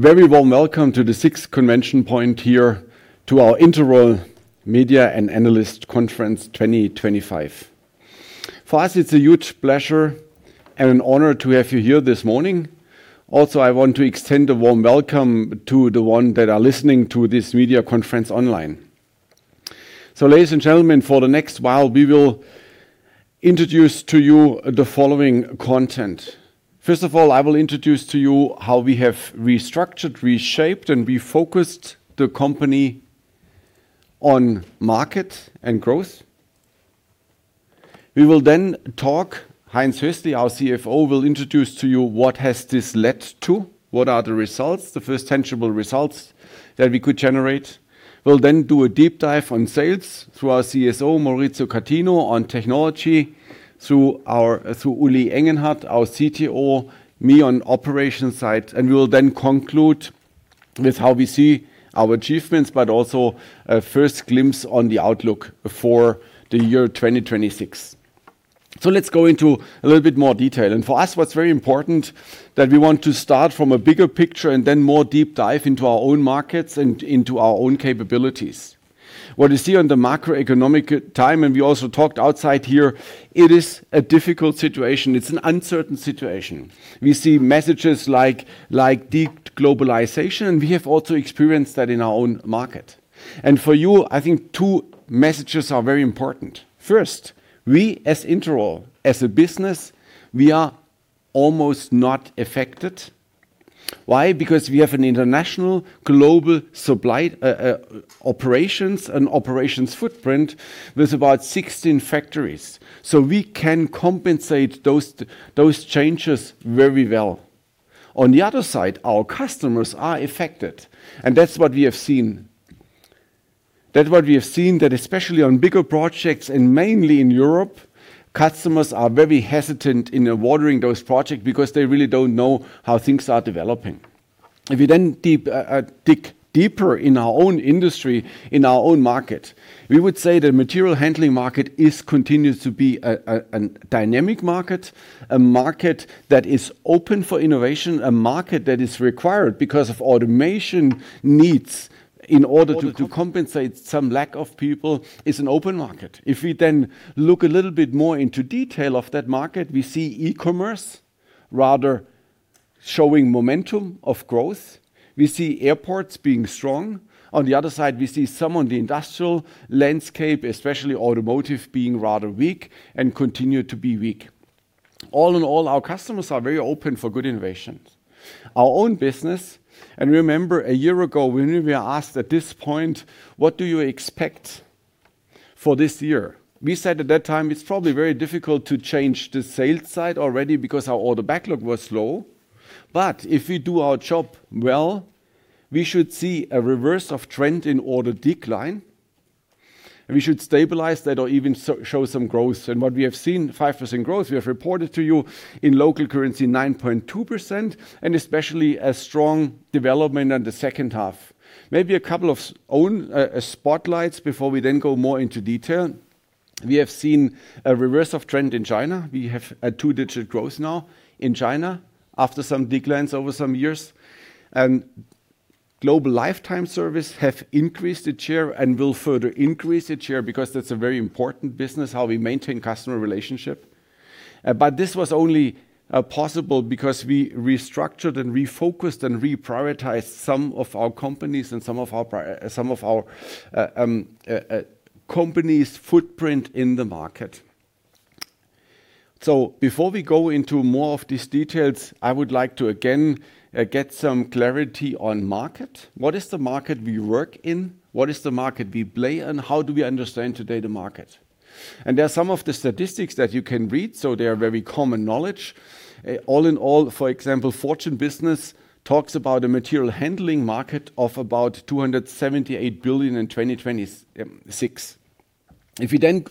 A very warm welcome to the sixth convention point here to our Interroll Media and Analyst Conference 2025. For us, it's a huge pleasure and an honor to have you here this morning. Also, I want to extend a warm welcome to the one that are listening to this media conference online. Ladies and gentlemen, for the next while, we will introduce to you the following content. First of all, I will introduce to you how we have restructured, reshaped and refocused the company on market and growth. We will then talk. Heinz Hössli, our CFO, will introduce to you what has this led to, what are the results, the first tangible results that we could generate. We'll then do a deep dive on sales through our CSO, Maurizio Catino; on technology through Ulrich Engenhardt, our CTO, me on operations side, and we will then conclude with how we see our achievements, but also a first glimpse on the outlook for the year 2026. Let's go into a little bit more detail. For us, what's very important that we want to start from a bigger picture and then more deep dive into our own markets and into our own capabilities. What you see on the macroeconomic time, and we also talked outside here, it is a difficult situation. It's an uncertain situation. We see messages like de-globalization, and we have also experienced that in our own market. For you, I think two messages are very important. First, we as Interroll, as a business, we are almost not affected. Why? Because we have an international global supply operations footprint with about 16 factories, so we can compensate those changes very well. On the other side, our customers are affected, and that's what we have seen, especially on bigger projects and mainly in Europe, customers are very hesitant in awarding those projects because they really don't know how things are developing. If we then dig deeper in our own industry, in our own market, we would say the material handling market continues to be a dynamic market, a market that is open for innovation, a market that is required because of automation needs in order to compensate some lack of people. It's an open market. If we look a little bit more into detail of that market, we see e-commerce rather showing momentum of growth. We see airports being strong. On the other side, we see softening on the industrial landscape, especially automotive being rather weak and continue to be weak. All in all, our customers are very open to good innovations. Our own business, and remember a year ago when we were asked at this point, "What do you expect for this year?" We said at that time, it's probably very difficult to change the sales side already because our order backlog was low. If we do our job well, we should see a reversal of the trend in order decline, and we should stabilize that or even show some growth. What we have seen, 5% growth, we have reported to you in local currency 9.2% and especially a strong development in the second half. Maybe a couple of our own spotlights before we then go more into detail. We have seen a reversal of trend in China. We have a double-digit growth now in China after some declines over some years. Global Lifetime Service have increased its share and will further increase its share because that's a very important business, how we maintain customer relationship. This was only possible because we restructured and refocused and reprioritized some of our companies and some of our company's footprint in the market. Before we go into more of these details, I would like to again get some clarity on the market. What is the market we work in? What is the market we play in? How do we understand today the market? There are some of the statistics that you can read, so they are very common knowledge. All in all, for example, Fortune Business talks about a material handling market of about 278 billion in 2026. If we then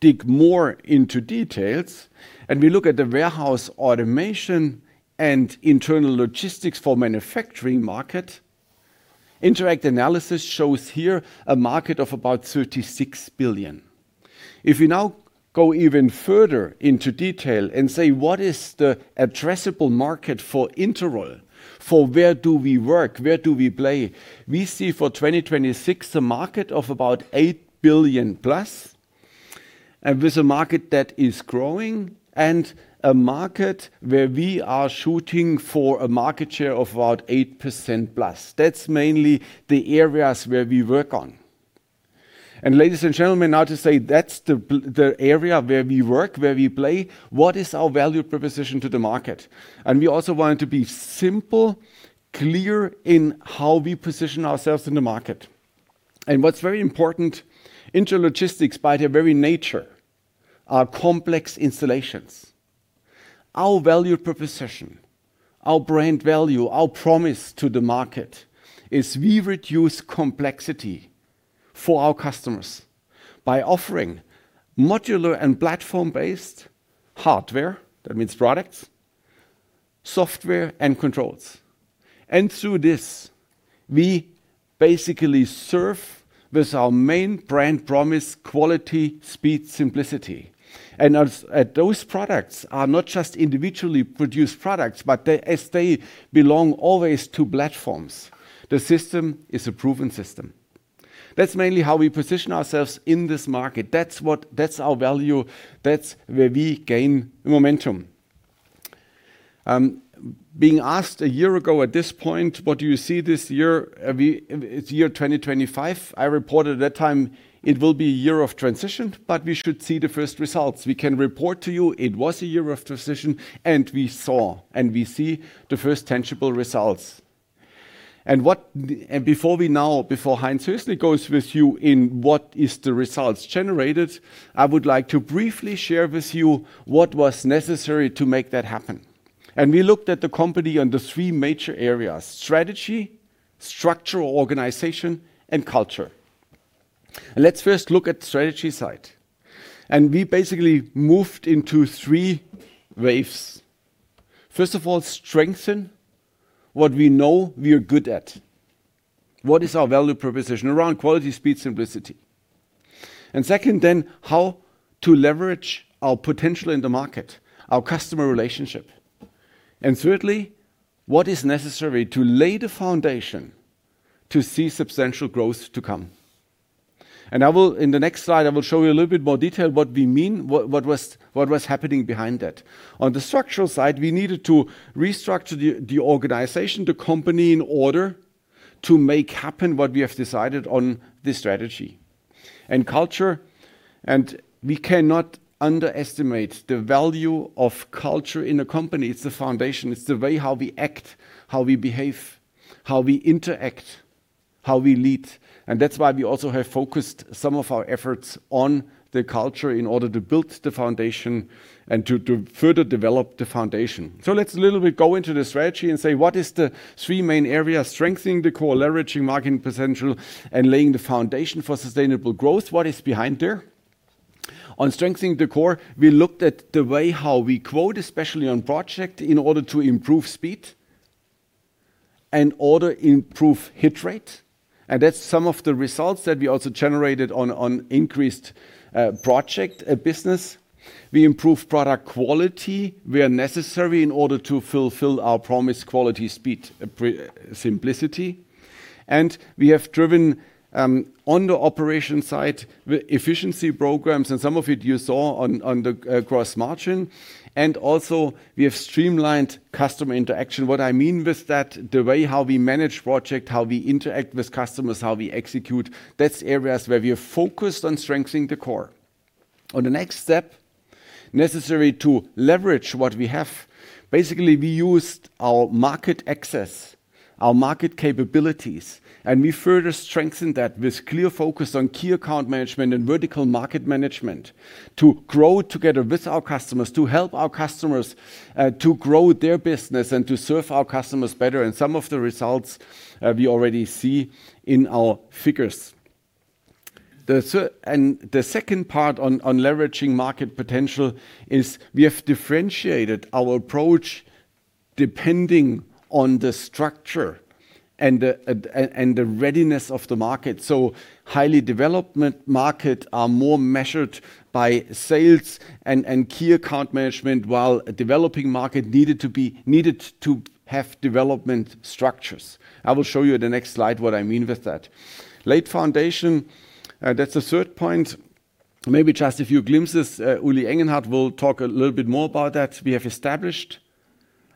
dig more into details, and we look at the warehouse automation and internal logistics for manufacturing market, Interact Analysis shows here a market of about 36 billion. If we now go even further into detail and say, "What is the addressable market for Interroll? For where do we work? Where do we play?" We see for 2026 a market of about 8 billion plus, and with a market that is growing and a market where we are shooting for a market share of about 8%+. That's mainly the areas where we work on. Ladies and gentlemen, now to say that's the area where we work, where we play, what is our value proposition to the market? We also want to be simple, clear in how we position ourselves in the market. What's very important, intralogistics, by their very nature, are complex installations. Our value proposition, our brand value, our promise to the market is we reduce complexity for our customers by offering modular and platform-based hardware, that means products, software and controls. Through this we basically serve with our main brand promise. Quality, speed, simplicity. As those products are not just individually produced products, but as they belong always to platforms, the system is a proven system. That's mainly how we position ourselves in this market. That's our value. That's where we gain momentum. Being asked a year ago at this point, "What do you see this year? It's year 2025?" I reported that time it will be a year of transition, but we should see the first results. We can report to you it was a year of transition, and we saw and we see the first tangible results. Before Heinz Hössli goes with you in what is the results generated, I would like to briefly share with you what was necessary to make that happen. We looked at the company under three major areas, strategy, structural organization, and culture. Let's first look at strategy side. We basically moved into three waves. First of all, strengthen what we know we are good at. What is our value proposition around quality, speed, simplicity? Second, then how to leverage our potential in the market, our customer relationship. Thirdly, what is necessary to lay the foundation to see substantial growth to come? I will. In the next slide, I will show you a little bit more detail what we mean, what was happening behind that. On the structural side, we needed to restructure the organization, the company, in order to make happen what we have decided on the strategy. Culture, and we cannot underestimate the value of culture in a company. It's the foundation. It's the way how we act, how we behave, how we interact, how we lead. That's why we also have focused some of our efforts on the culture in order to build the foundation and to further develop the foundation. Let's a little bit go into the strategy and say, what is the three main areas? Strengthening the core, leveraging market potential, and laying the foundation for sustainable growth. What is behind there? On strengthening the core, we looked at the way how we quote, especially on project, in order to improve speed and order improve hit rate. That's some of the results that we also generated on increased project business. We improve product quality where necessary in order to fulfill our promise, quality, speed, simplicity. We have driven on the operation side with efficiency programs, and some of it you saw on the gross margin. We have streamlined customer interaction. What I mean with that, the way how we manage project, how we interact with customers, how we execute, that's areas where we are focused on strengthening the core. On the next step necessary to leverage what we have. Basically, we used our market access, our market capabilities, and we further strengthened that with clear focus on key account management and vertical market management to grow together with our customers, to help our customers to grow their business and to serve our customers better. Some of the results we already see in our figures. The second part on leveraging market potential is we have differentiated our approach depending on the structure and the readiness of the market. Highly developing market are more addressed by sales and key account management, while a developing market needed to have development structures. I will show you in the next slide what I mean with that. Lay the foundation, that's the third point. Maybe just a few glimpses. Ulrich Engenhardt will talk a little bit more about that. We have established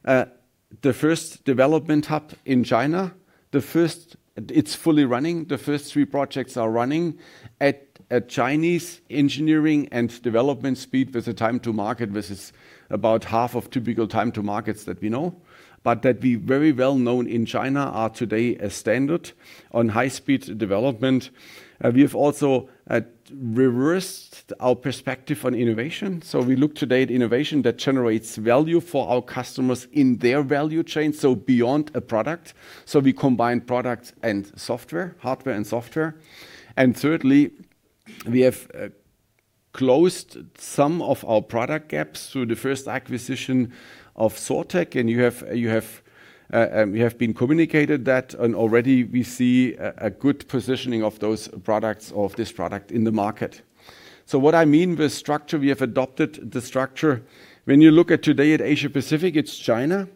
the first development hub in China. It's fully running. The first three projects are running at Chinese engineering and development speed with a time to market of about half of typical time to markets that we know. We are very well known in China and are today a standard in high-speed development. We have also reversed our perspective on innovation. We look today at innovation that generates value for our customers in their value chain, so beyond a product. We combine product and software, hardware and software. Thirdly, we have closed some of our product gaps through the first acquisition of Sortteq, and we have communicated that, and already we see a good positioning of this product in the market. What I mean with structure, we have adopted the structure. When you look at today at Asia Pacific, it's China,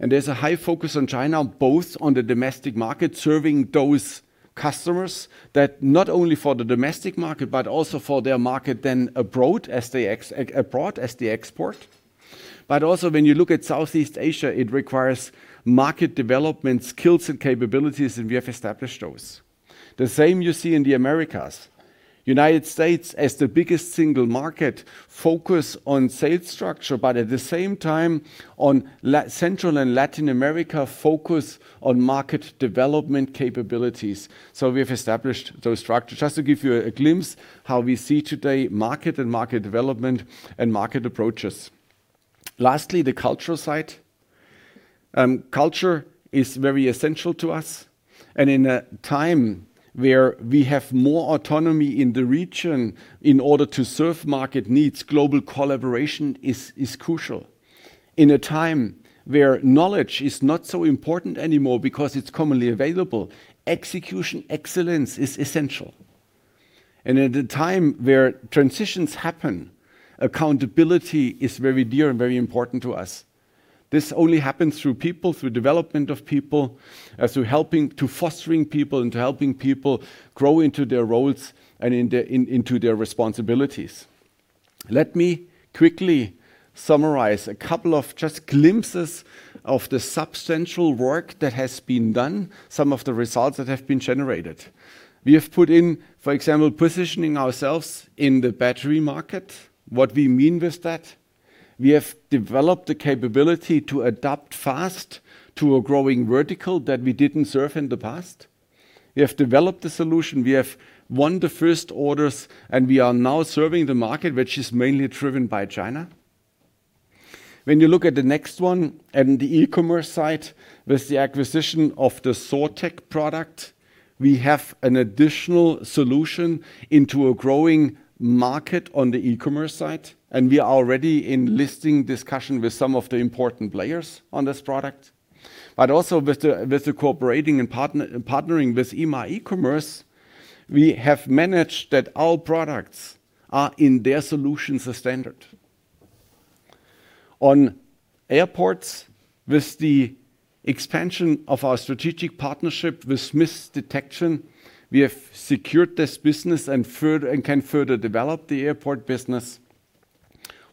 and there's a high focus on China, both on the domestic market, serving those customers that not only for the domestic market, but also for their market then abroad as they abroad as they export. Also when you look at Southeast Asia, it requires market development skills and capabilities, and we have established those. The same you see in the Americas. United States as the biggest single market focus on sales structure, but at the same time on Central and Latin America focus on market development capabilities. We have established those structures. Just to give you a glimpse how we see today market and market development and market approaches. Lastly, the cultural side. Culture is very essential to us. In a time where we have more autonomy in the region in order to serve market needs, global collaboration is crucial. In a time where knowledge is not so important anymore because it's commonly available, execution excellence is essential. At a time where transitions happen, accountability is very dear and very important to us. This only happens through people, through development of people, through helping to foster people and helping people grow into their roles and into their responsibilities. Let me quickly summarize a couple of glimpses of the substantial work that has been done, some of the results that have been generated. We have put in, for example, positioning ourselves in the battery market. What we mean with that, we have developed the capability to adapt fast to a growing vertical that we didn't serve in the past. We have developed the solution. We have won the first orders, and we are now serving the market, which is mainly driven by China. When you look at the next one and the e-commerce site with the acquisition of the Sortteq product, we have an additional solution into a growing market on the e-commerce site, and we are already in listing discussion with some of the important players on this product. Also with the partnering with IMA E-COMMERCE, we have managed that our products are in their solutions as standard. On airports, with the expansion of our strategic partnership with Smiths Detection, we have secured this business and can further develop the airport business.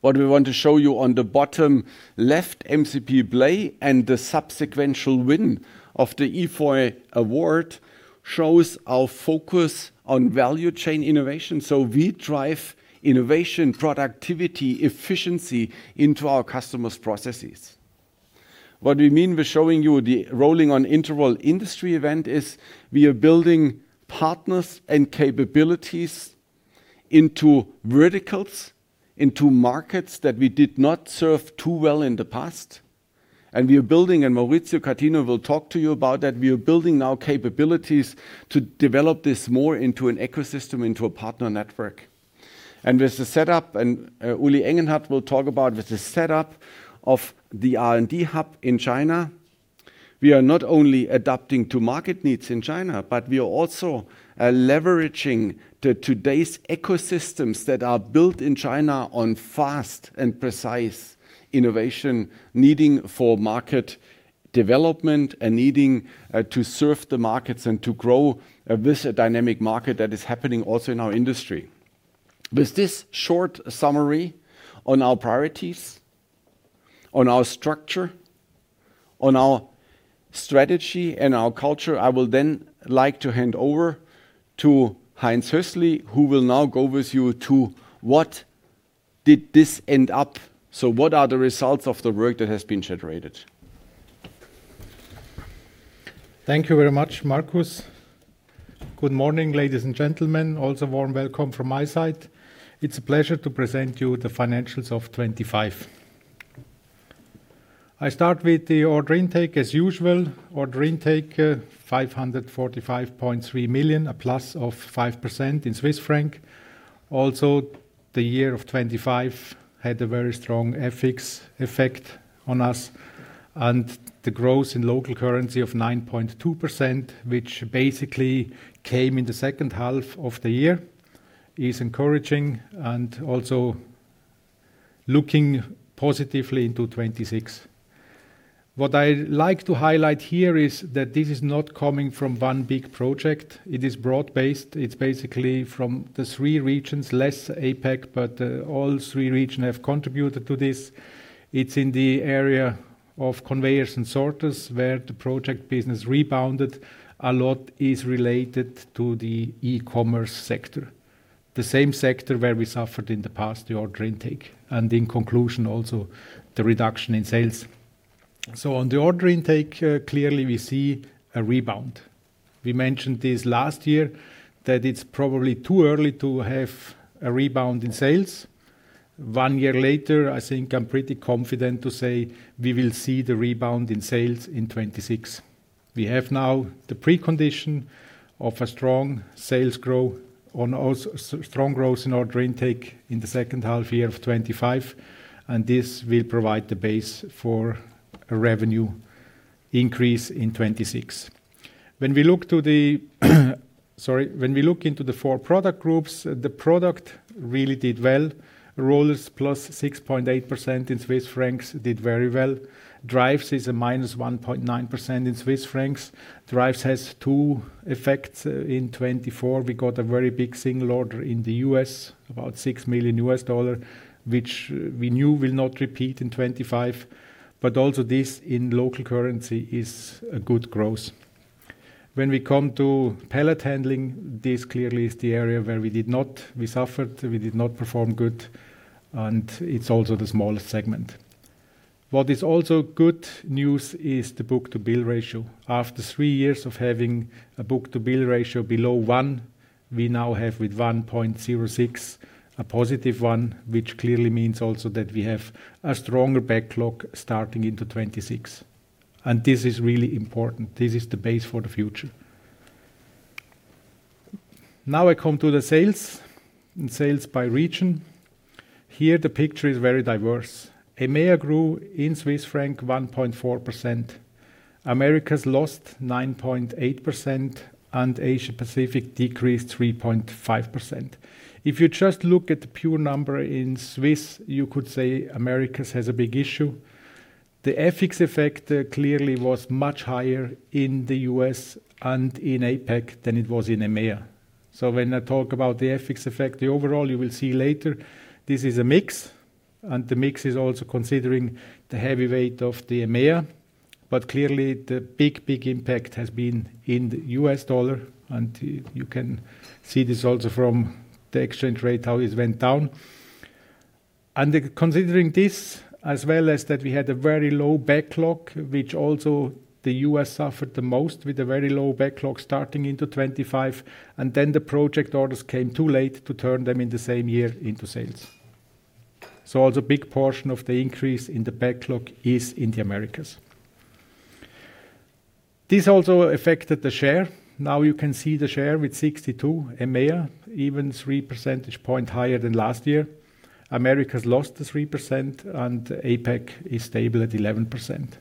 What we want to show you on the bottom MCP PLAY, and the subsequent win of the IFOY Award shows our focus on value chain innovation. We drive innovation, productivity, efficiency into our customers' processes. What we mean, we're showing you the Rolling on Interroll industry event is we are building partners and capabilities into verticals, into markets that we did not serve too well in the past. We are building, and Maurizio Catino will talk to you about that. We are building now capabilities to develop this more into an ecosystem, into a partner network. With the setup, Ulrich Engenhardt will talk about with the setup of the R&D hub in China. We are not only adapting to market needs in China, but we are also leveraging today's ecosystems that are built in China on fast and precise innovation, needing for market development and to serve the markets and to grow with a dynamic market that is happening also in our industry. With this short summary on our priorities, on our structure, on our strategy and our culture, I will then like to hand over to Heinz Hössli, who will now go with you to what did this end up. What are the results of the work that has been generated? Thank you very much, Markus. Good morning, ladies and gentlemen. Also warm welcome from my side. It's a pleasure to present you with the financials of 2025. I start with the order intake as usual. Order intake, 545.3 million, a plus of 5% in Swiss franc. Also, the year of 2025 had a very strong FX effect on us, and the growth in local currency of 9.2%, which basically came in the second half of the year, is encouraging and also looking positively into 2026. What I like to highlight here is that this is not coming from one big project. It is broad-based. It's basically from the three regions, less APAC, but all three region have contributed to this. It's in the area of Conveyors & Sorters where the project business rebounded. A lot is related to the e-commerce sector, the same sector where we suffered in the past, the order intake, and in conclusion, also the reduction in sales. On the order intake, clearly we see a rebound. We mentioned this last year that it's probably too early to have a rebound in sales. One year later, I think I'm pretty confident to say we will see the rebound in sales in 2026. We have now the precondition of a strong sales growth as well as strong growth in order intake in the second half year of 2025, and this will provide the base for a revenue increase in 2026. When we look into the four product groups, the product really did well. Rollers +6.8% in Swiss francs did very well. Drives is -1.9% in CHF. Drives has two effects. In 2024, we got a very big single order in the U.S., about $6 million, which we knew will not repeat in 2025, but also this in local currency is a good growth. When we come to Pallet Handling, this clearly is the area where we suffered, we did not perform good, and it's also the smallest segment. What is also good news is the book-to-bill ratio. After three years of having a book-to-bill ratio below 1. We now have with 1.06 a positive 1, which clearly means also that we have a stronger backlog starting into 2026. This is really important. This is the base for the future. Now I come to the sales, and sales by region. Here the picture is very diverse. EMEA grew in Swiss francs 1.4%. Americas lost 9.8%, and Asia Pacific decreased 3.5%. If you just look at the pure number in Swiss, you could say Americas has a big issue. The FX effect clearly was much higher in the U.S. and in APAC than it was in EMEA. When I talk about the FX effect, the overall you will see later, this is a mix, and the mix is also considering the heavy weight of the EMEA. Clearly the big, big impact has been in the U.S. dollar, and you can see this also from the exchange rate, how it went down. Considering this, as well as that we had a very low backlog, which also the U.S. suffered the most with a very low backlog starting into 2025, and then the project orders came too late to turn them in the same year into sales. A big portion of the increase in the backlog is in the Americas. This also affected the share. Now you can see the share with 62, EMEA, even 3 percentage points higher than last year. Americas lost the 3%, and APAC is stable at 11%.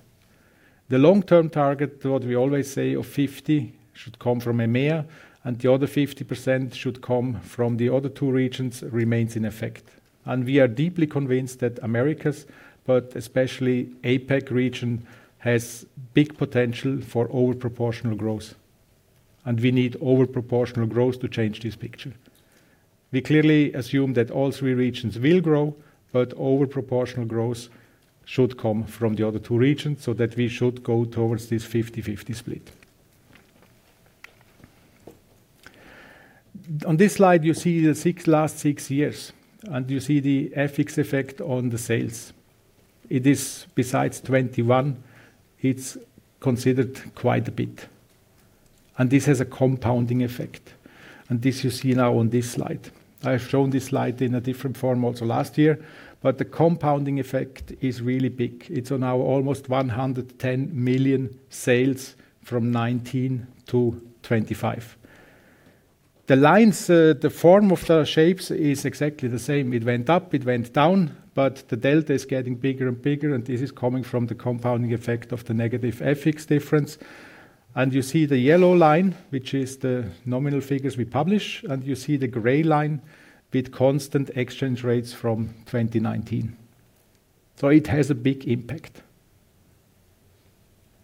The long-term target to what we always say of 50% should come from EMEA, and the other 50% should come from the other two regions remains in effect. We are deeply convinced that Americas, but especially APAC region, has big potential for over-proportional growth. We need over-proportional growth to change this picture. We clearly assume that all three regions will grow, but over-proportional growth should come from the other two regions so that we should go towards this 50/50 split. On this slide, you see the last six years, and you see the FX effect on the sales. It is by 21%, it's considered quite a bit. This has a compounding effect. This you see now on this slide. I've shown this slide in a different form also last year, but the compounding effect is really big. It's now almost 110 million sales from 2019 to 2025. The lines, the form of the shapes is exactly the same. It went up, it went down, but the delta is getting bigger and bigger, and this is coming from the compounding effect of the negative FX difference. You see the yellow line, which is the nominal figures we publish, and you see the gray line with constant exchange rates from 2019. It has a big impact.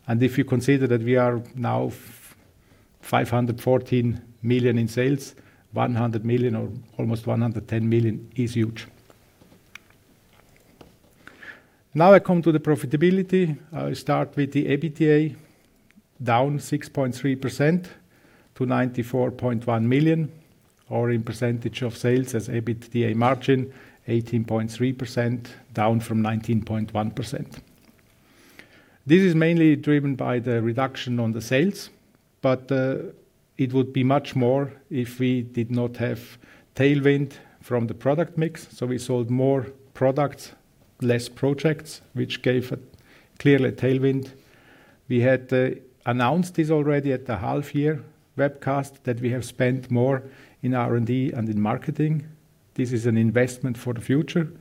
If you consider that we are now 514 million in sales, 100 million or almost 110 million is huge. Now I come to the profitability. I start with the EBITDA, down 6.3% to 94.1 million, or in percentage of sales as EBITDA margin, 18.3%, down from 19.1%. This is mainly driven by the reduction on the sales, but it would be much more if we did not have tailwind from the product mix. We sold more products, less projects, which gave clearly a tailwind. We had announced this already at the half year webcast that we have spent more in R&D and in marketing. This is an investment for the future.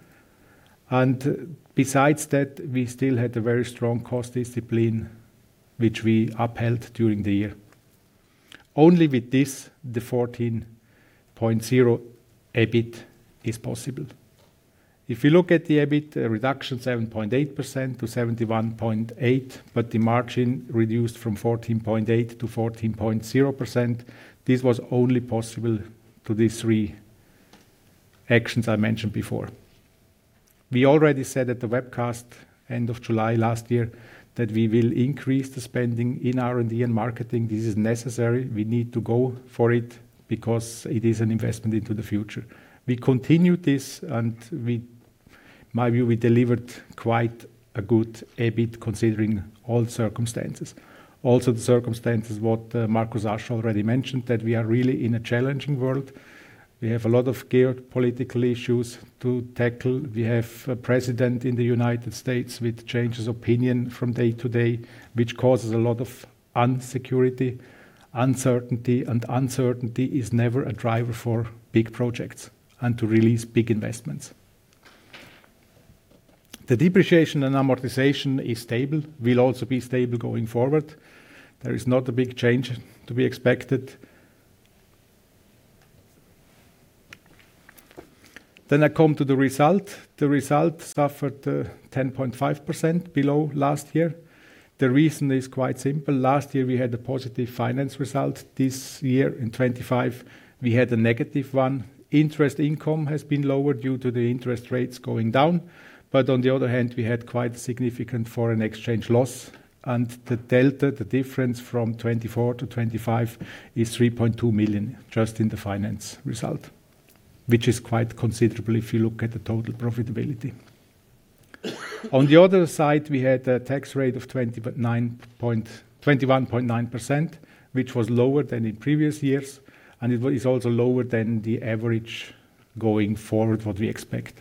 Besides that, we still had a very strong cost discipline, which we upheld during the year. Only with this, the 14.0 EBIT is possible. If you look at the EBIT reduction, 7.8%-71.8%, but the margin reduced from 14.8-14.0%. This was only possible through these three actions I mentioned before. We already said at the webcast end of July last year that we will increase the spending in R&D and marketing. This is necessary. We need to go for it because it is an investment into the future. We continue this. My view, we delivered quite a good EBIT considering all circumstances. The circumstances that Markus Asch already mentioned, that we are really in a challenging world. We have a lot of geopolitical issues to tackle. We have a president in the United States which changes opinion from day to day, which causes a lot of insecurity and uncertainty is never a driver for big projects and to release big investments. The depreciation and amortization is stable, will also be stable going forward. There is not a big change to be expected. I come to the result. The result suffered 10.5% below last year. The reason is quite simple. Last year, we had a positive finance result. This year, in 2025, we had a negative one. Interest income has been lower due to the interest rates going down. On the other hand, we had quite significant foreign exchange loss, and the delta, the difference from 2024 to 2025 is 3.2 million just in the finance result, which is quite considerable if you look at the total profitability. On the other side, we had a tax rate of 21.9%, which was lower than in previous years, and it is also lower than the average going forward, what we expect.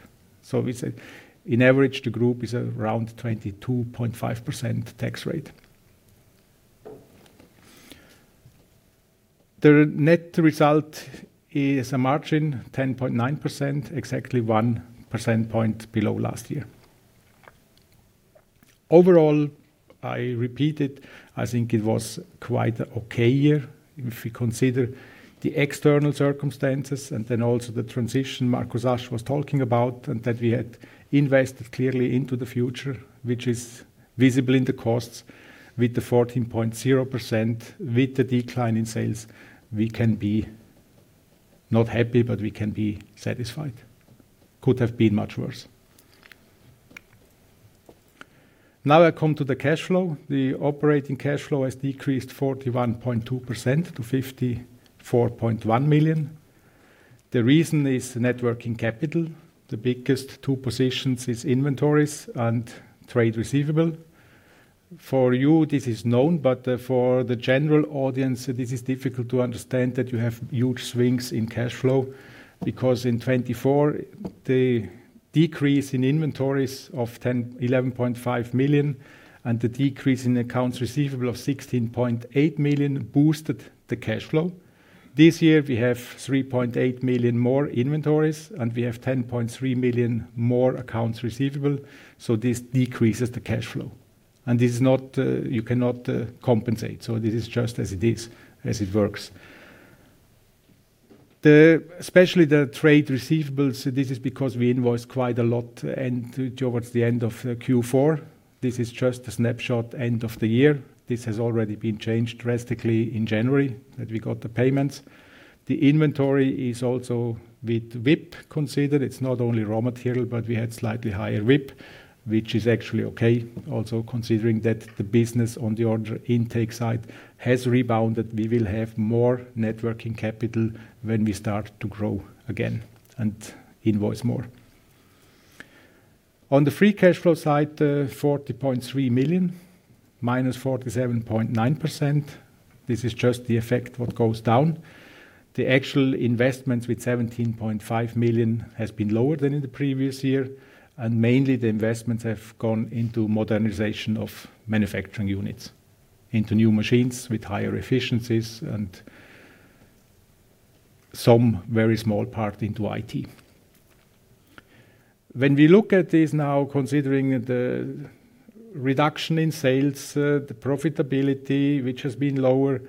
We say, on average, the group is around 22.5% tax rate. The net result is a margin 10.9%, exactly one percentage point below last year. Overall, I repeat it, I think it was quite okay year. If we consider the external circumstances and then also the transition Markus Asch was talking about, and that we had invested clearly into the future, which is visible in the costs with the 14.0%, with the decline in sales, we can be not happy, but we can be satisfied. Could have been much worse. Now I come to the cash flow. The operating cash flow has decreased 41.2% to 54.1 million. The reason is the net working capital. The biggest two positions is inventories and trade receivable. For you, this is known, but for the general audience, this is difficult to understand that you have huge swings in cash flow, because in 2024, the decrease in inventories of 11.5 million and the decrease in accounts receivable of 16.8 million boosted the cash flow. This year, we have 3.8 million more inventories, and we have 10.3 million more accounts receivable, so this decreases the cash flow. This is not, you cannot, compensate. This is just as it is, as it works. Especially the trade receivables, this is because we invoice quite a lot and towards the end of Q4. This is just a snapshot end of the year. This has already been changed drastically in January, that we got the payments. The inventory is also with WIP considered. It's not only raw material, but we had slightly higher WIP, which is actually okay. Also, considering that the business on the order intake side has rebounded, we will have more net working capital when we start to grow again and invoice more. On the free cash flow side, 40.3 million, -47.9%. This is just the effect of what goes down. The actual investment with 17.5 million has been lower than in the previous year, and mainly the investments have gone into modernization of manufacturing units, into new machines with higher efficiencies and some very small part into IT. When we look at this now, considering the reduction in sales, the profitability, which has been lower,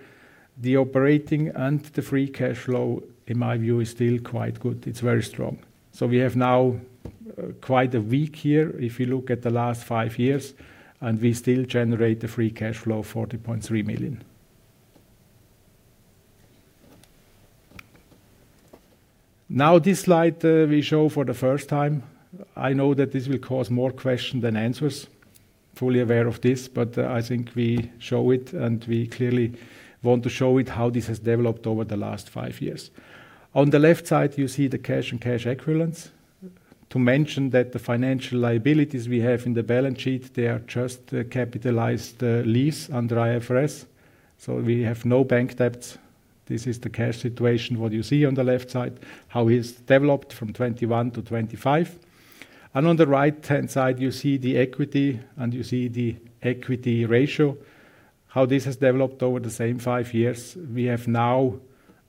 the operating and the free cash flow, in my view, is still quite good. It's very strong. We have now quite a weak year if you look at the last five years, and we still generate a free cash flow of 40.3 million. Now, this slide we show for the first time. I know that this will cause more questions than answers. Fully aware of this, but I think we show it, and we clearly want to show it how this has developed over the last five years. On the left side, you see the cash and cash equivalents. To mention that the financial liabilities we have in the balance sheet, they are just a capitalized lease under IFRS. We have no bank debts. This is the cash situation, what you see on the left side, how it's developed from 2021 to 2025. On the right-hand side, you see the equity, and you see the equity ratio, how this has developed over the same five years. We have now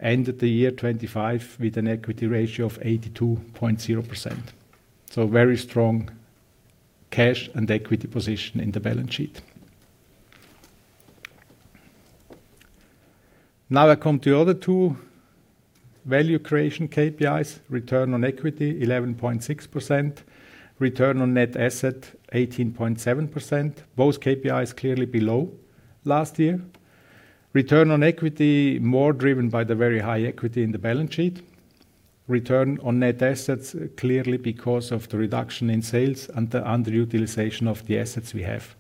ended the year 2025 with an equity ratio of 82.0%. Very strong cash and equity position in the balance sheet. Now I come to the other two value creation KPIs. Return on equity, 11.6%. Return on net asset, 18.7%. Both KPIs clearly below last year. Return on equity, more driven by the very high equity in the balance sheet. Return on net assets, clearly because of the reduction in sales and the underutilization of the assets we have.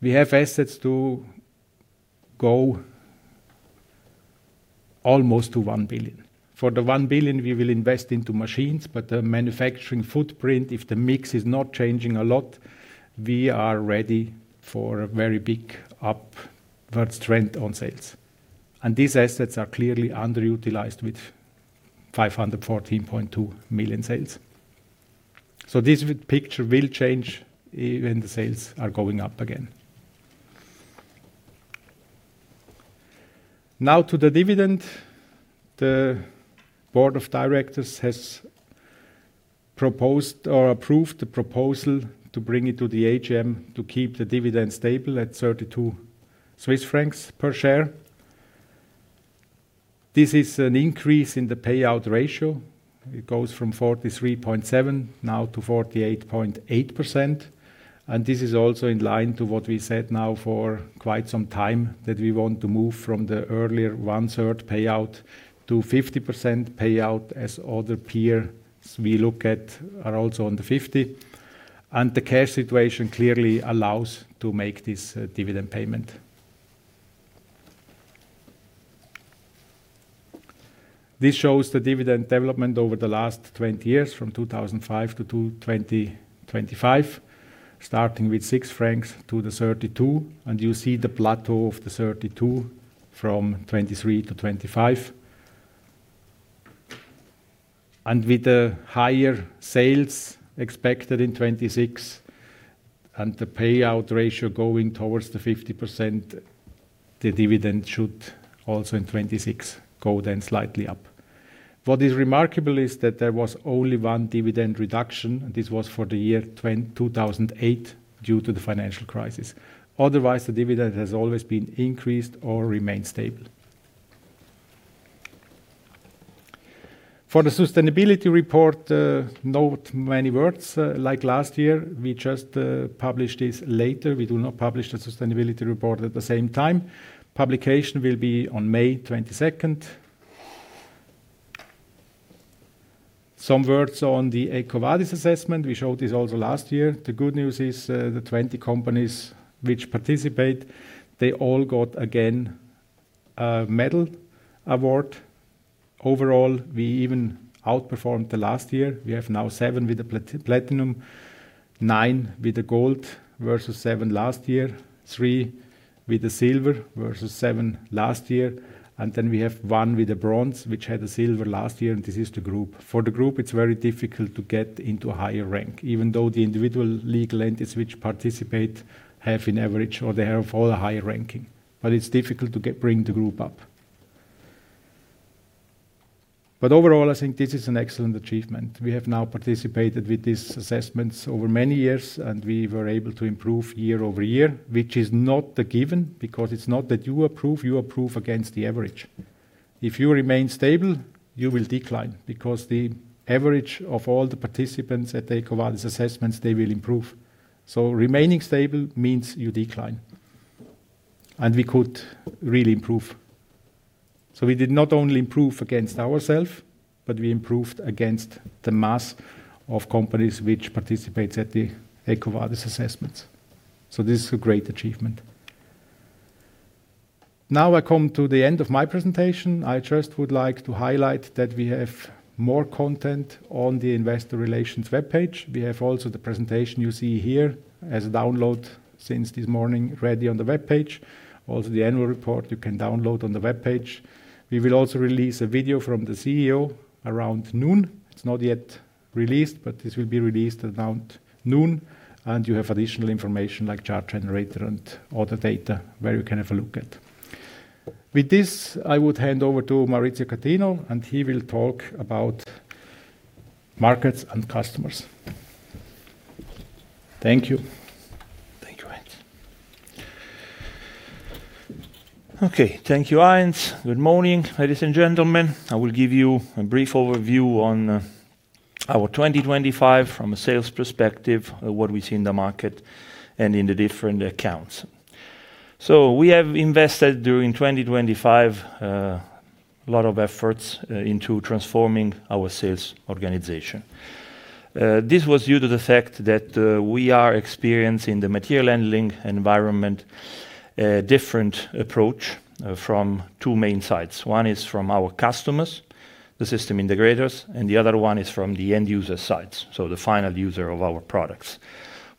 We have assets to go almost to 1 billion. For the 1 billion, we will invest into machines, but the manufacturing footprint, if the mix is not changing a lot, we are ready for a very big upwards trend on sales. These assets are clearly underutilized with 514.2 million sales. This picture will change when the sales are going up again. Now to the dividend. The board of directors has proposed or approved the proposal to bring it to the AGM to keep the dividend stable at 32 Swiss francs per share. This is an increase in the payout ratio. It goes from 43.7% now to 48.8%. This is also in line to what we said now for quite some time, that we want to move from the earlier one-third payout to 50% payout as other peers we look at are also on the 50%. The cash situation clearly allows to make this dividend payment. This shows the dividend development over the last 20 years, from 2005 to 2025, starting with 6 francs to the 32, and you see the plateau of the 32 from 2023 to 2025. With the higher sales expected in 2026 and the payout ratio going towards the 50%, the dividend should also in 2026 go then slightly up. What is remarkable is that there was only one dividend reduction, and this was for the year 2008 due to the financial crisis. Otherwise, the dividend has always been increased or remained stable. For the sustainability report, not many words. Like last year, we just publish this later. We do not publish the sustainability report at the same time. Publication will be on May 22nd. Some words on the EcoVadis assessment. We showed this also last year. The good news is, the 20 companies which participate, they all got again a medal award. Overall, we even outperformed the last year. We have now seven with the platinum, nine with the gold versus seven last year, three with the silver versus seven last year, and then we have one with the bronze, which had a silver last year, and this is the group. For the group, it's very difficult to get into a higher rank, even though the individual legal entities which participate have in average or they have all a higher ranking. It's difficult to bring the group up. Overall, I think this is an excellent achievement. We have now participated with these assessments over many years, and we were able to improve year-over-year, which is not a given because it's not that you approve against the average. If you remain stable, you will decline because the average of all the participants at the EcoVadis assessments, they will improve. Remaining stable means you decline, and we could really improve. We did not only improve against ourselves, but we improved against the mass of companies which participates at the EcoVadis assessments. This is a great achievement. Now I come to the end of my presentation. I just would like to highlight that we have more content on the investor relations webpage. We have also the presentation you see here as a download since this morning ready on the webpage. Also, the annual report you can download on the webpage. We will also release a video from the CEO around noon. It's not yet released, but this will be released around noon, and you have additional information like chart generator and other data where you can have a look at. With this, I would hand over to Maurizio Catino, and he will talk about markets and customers. Thank you. Thank you, Heinz. Good morning, ladies and gentlemen. I will give you a brief overview on our 2025 from a sales perspective of what we see in the market and in the different accounts. We have invested during 2025 a lot of efforts into transforming our sales organization. This was due to the fact that we are experiencing the material handling environment a different approach from two main sides. One is from our customers, the system integrators, and the other one is from the end user sides, so the final user of our products.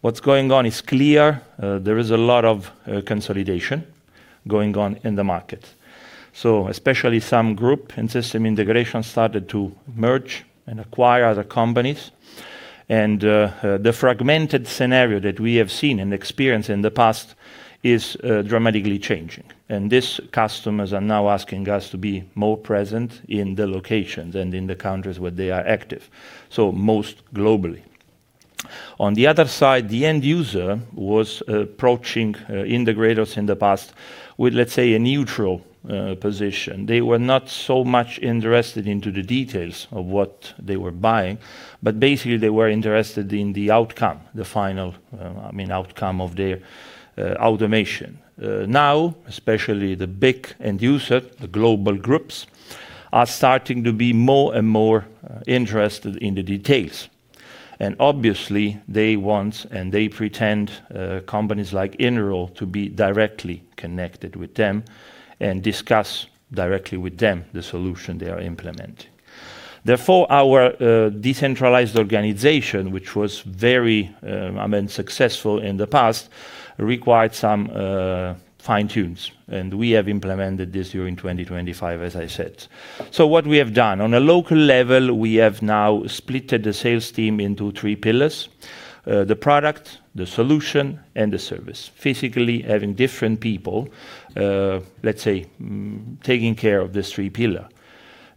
What's going on is clear. There is a lot of consolidation going on in the market. Especially some groups and system integrators started to merge and acquire other companies. The fragmented scenario that we have seen and experienced in the past is dramatically changing. These customers are now asking us to be more present in the locations and in the countries where they are active, so most globally. On the other side, the end user was approaching integrators in the past with, let's say, a neutral position. They were not so much interested into the details of what they were buying, but basically they were interested in the outcome, the final, I mean, outcome of their automation. Now, especially the big end user, the global groups, are starting to be more and more interested in the details. Obviously they want and they pretend companies like Interroll to be directly connected with them and discuss directly with them the solution they are implementing. Therefore, our decentralized organization, which was very, I mean, successful in the past, required some fine-tunes, and we have implemented this during 2025, as I said. What we have done, on a local level, we have now split the sales team into three pillars: the product, the solution, and the service. Physically having different people, let's say, taking care of these three pillar.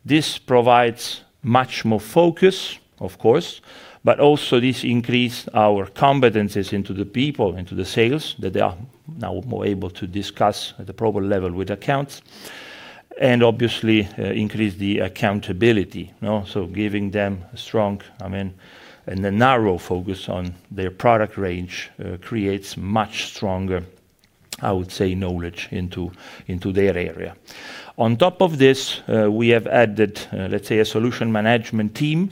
This provides much more focus, of course, but also this increase our competencies into the people, into the sales, that they are now more able to discuss at the proper level with accounts and obviously, increase the accountability, you know. Giving them a strong, I mean, and a narrow focus on their product range, creates much stronger, I would say, knowledge into their area. On top of this, we have added, let's say, a solution management team.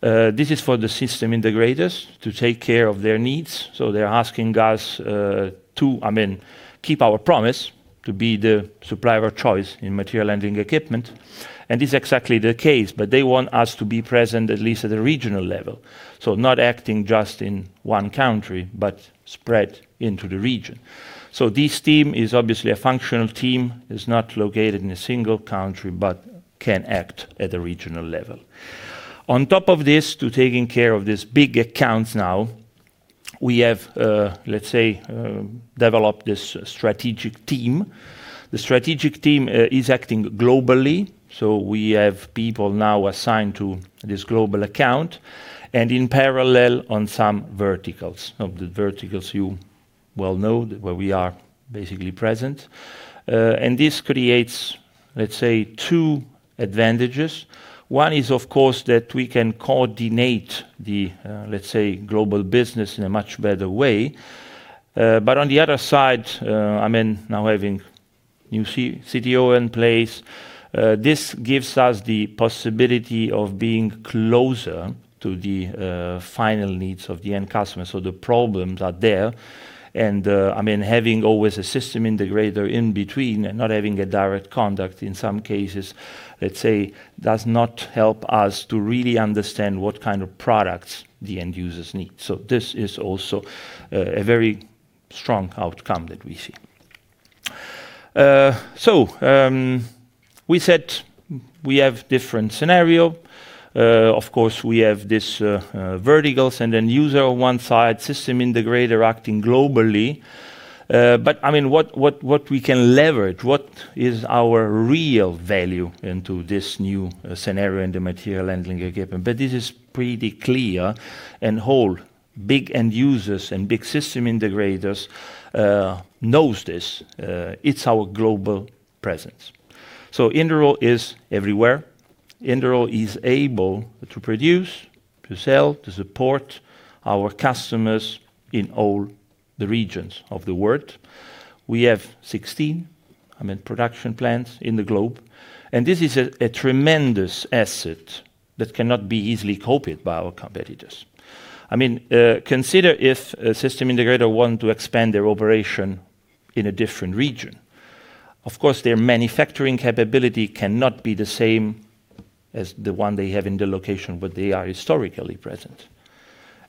This is for the system integrators to take care of their needs. They're asking us, I mean, to keep our promise to be the supplier of choice in material handling equipment, and it is exactly the case, but they want us to be present at least at a regional level. Not acting just in one country, but spread into the region. This team is obviously a functional team, is not located in a single country, but can act at a regional level. On top of this, taking care of these big accounts now, we have, let's say, developed this strategic team. The strategic team is acting globally, so we have people now assigned to this global account and in parallel on some verticals. Of the verticals you well know where we are basically present. This creates, let's say, two advantages. One is, of course, that we can coordinate the, let's say, global business in a much better way. On the other side, I mean, now having new CTO in place, this gives us the possibility of being closer to the final needs of the end customer. The problems are there and, I mean, having always a system integrator in between and not having a direct contact in some cases, let's say, does not help us to really understand what kind of products the end users need. This is also a very strong outcome that we see. We said we have different scenario. Of course, we have this verticals and end user on one side, system integrator acting globally. I mean, what we can leverage? What is our real value into this new scenario in the material handling equipment? This is pretty clear and all big end users and big system integrators knows this. It's our global presence. Interroll is everywhere. Interroll is able to produce, to sell, to support our customers in all the regions of the world. We have 16, I mean, production plants in the globe, and this is a tremendous asset that cannot be easily copied by our competitors. I mean, consider if a system integrator want to expand their operation in a different region. Of course, their manufacturing capability cannot be the same as the one they have in the location where they are historically present.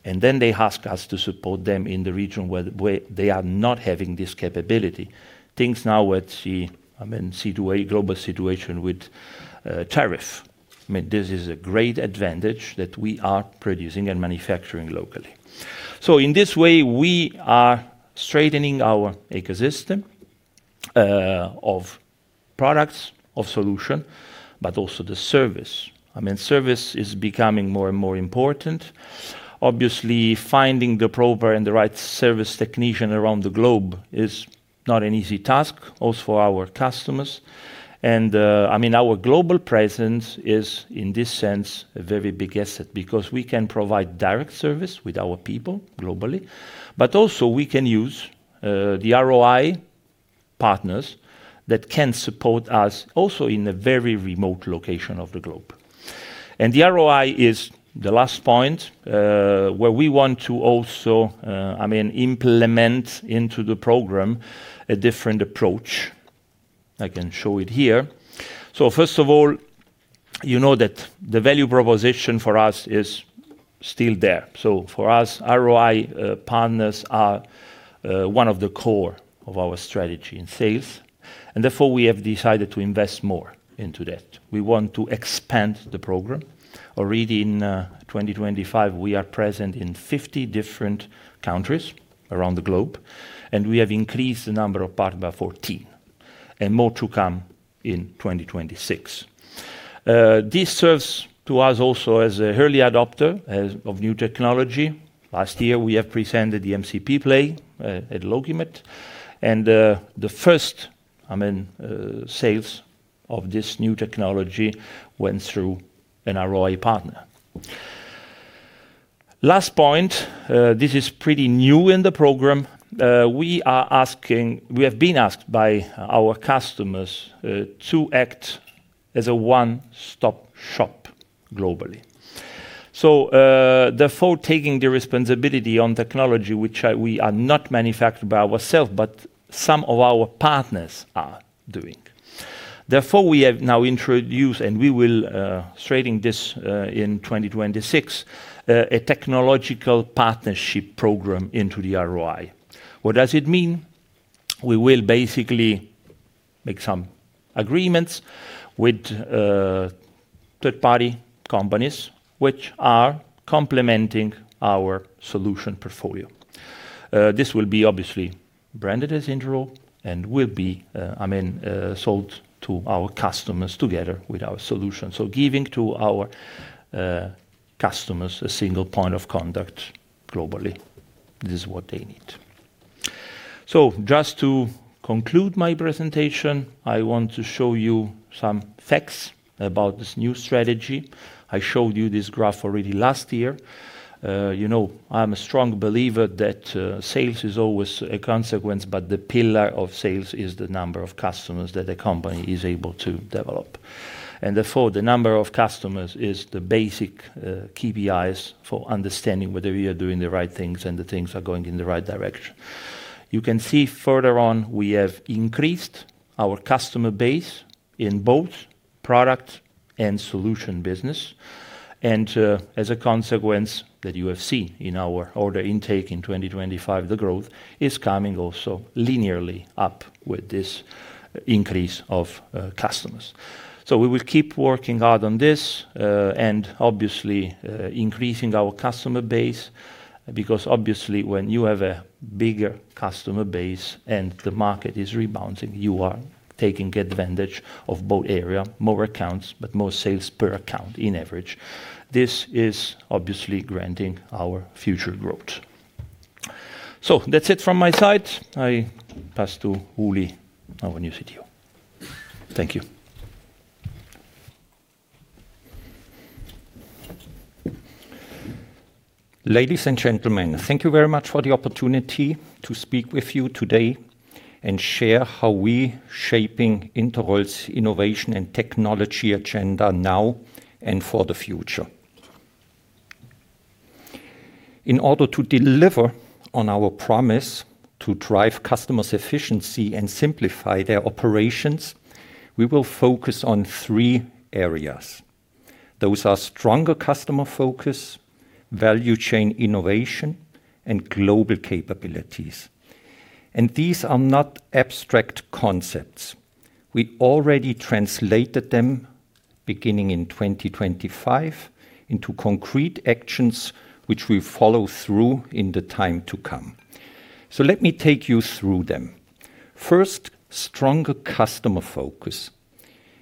They ask us to support them in the region where they are not having this capability. Things now with the, I mean, global situation with tariff, I mean, this is a great advantage that we are producing and manufacturing locally. In this way, we are strengthening our ecosystem of products, of solution, but also the service. I mean, service is becoming more and more important. Obviously, finding the proper and the right service technician around the globe is not an easy task, also for our customers. I mean, our global presence is, in this sense, a very big asset because we can provide direct service with our people globally. Also we can use the ROI partners that can support us also in a very remote location of the globe. The ROI is the last point where we want to also I mean implement into the program a different approach. I can show it here. First of all, you know that the value proposition for us is still there. For us, ROI partners are one of the core of our strategy in sales, and therefore we have decided to invest more into that. We want to expand the program. Already in 2025, we are present in 50 different countries around the globe, and we have increased the number of partner by 14 and more to come in 2026. This serves to us also as an early adopter of new technology. Last year, we have presented MCP PLAY at LogiMAT, and the first, I mean, sales of this new technology went through an ROI partner. Last point, this is pretty new in the program. We have been asked by our customers to act as a one-stop shop globally. Therefore taking the responsibility on technology which we are not manufactured by ourselves, but some of our partners are doing. Therefore, we have now introduced, and we will straighten this in 2026, a technological partnership program into the ROI. What does it mean? We will basically make some agreements with third-party companies which are complementing our solution portfolio. This will be obviously branded as Interroll and will be, I mean, sold to our customers together with our solution. Giving to our customers a single point of contact globally. This is what they need. Just to conclude my presentation, I want to show you some facts about this new strategy. I showed you this graph already last year. You know, I'm a strong believer that sales is always a consequence, but the pillar of sales is the number of customers that a company is able to develop. Therefore, the number of customers is the basic KPIs for understanding whether you are doing the right things and the things are going in the right direction. You can see further on we have increased our customer base in both product and solution business. As a consequence that you have seen in our order intake in 2025, the growth is coming also linearly up with this increase of customers. We will keep working hard on this, and obviously, increasing our customer base, because obviously when you have a bigger customer base and the market is rebounding, you are taking advantage of both area, more accounts, but more sales per account in average. This is obviously granting our future growth. That's it from my side. I pass to Ulrich our new CTO. Thank you. Ladies and gentlemen, thank you very much for the opportunity to speak with you today and share how we are shaping Interroll's innovation and technology agenda now and for the future. In order to deliver on our promise to drive customers' efficiency and simplify their operations, we will focus on three areas. Those are stronger customer focus, value chain innovation, and global capabilities. These are not abstract concepts. We already translated them beginning in 2025 into concrete actions which we follow through in the time to come. Let me take you through them. First, stronger customer focus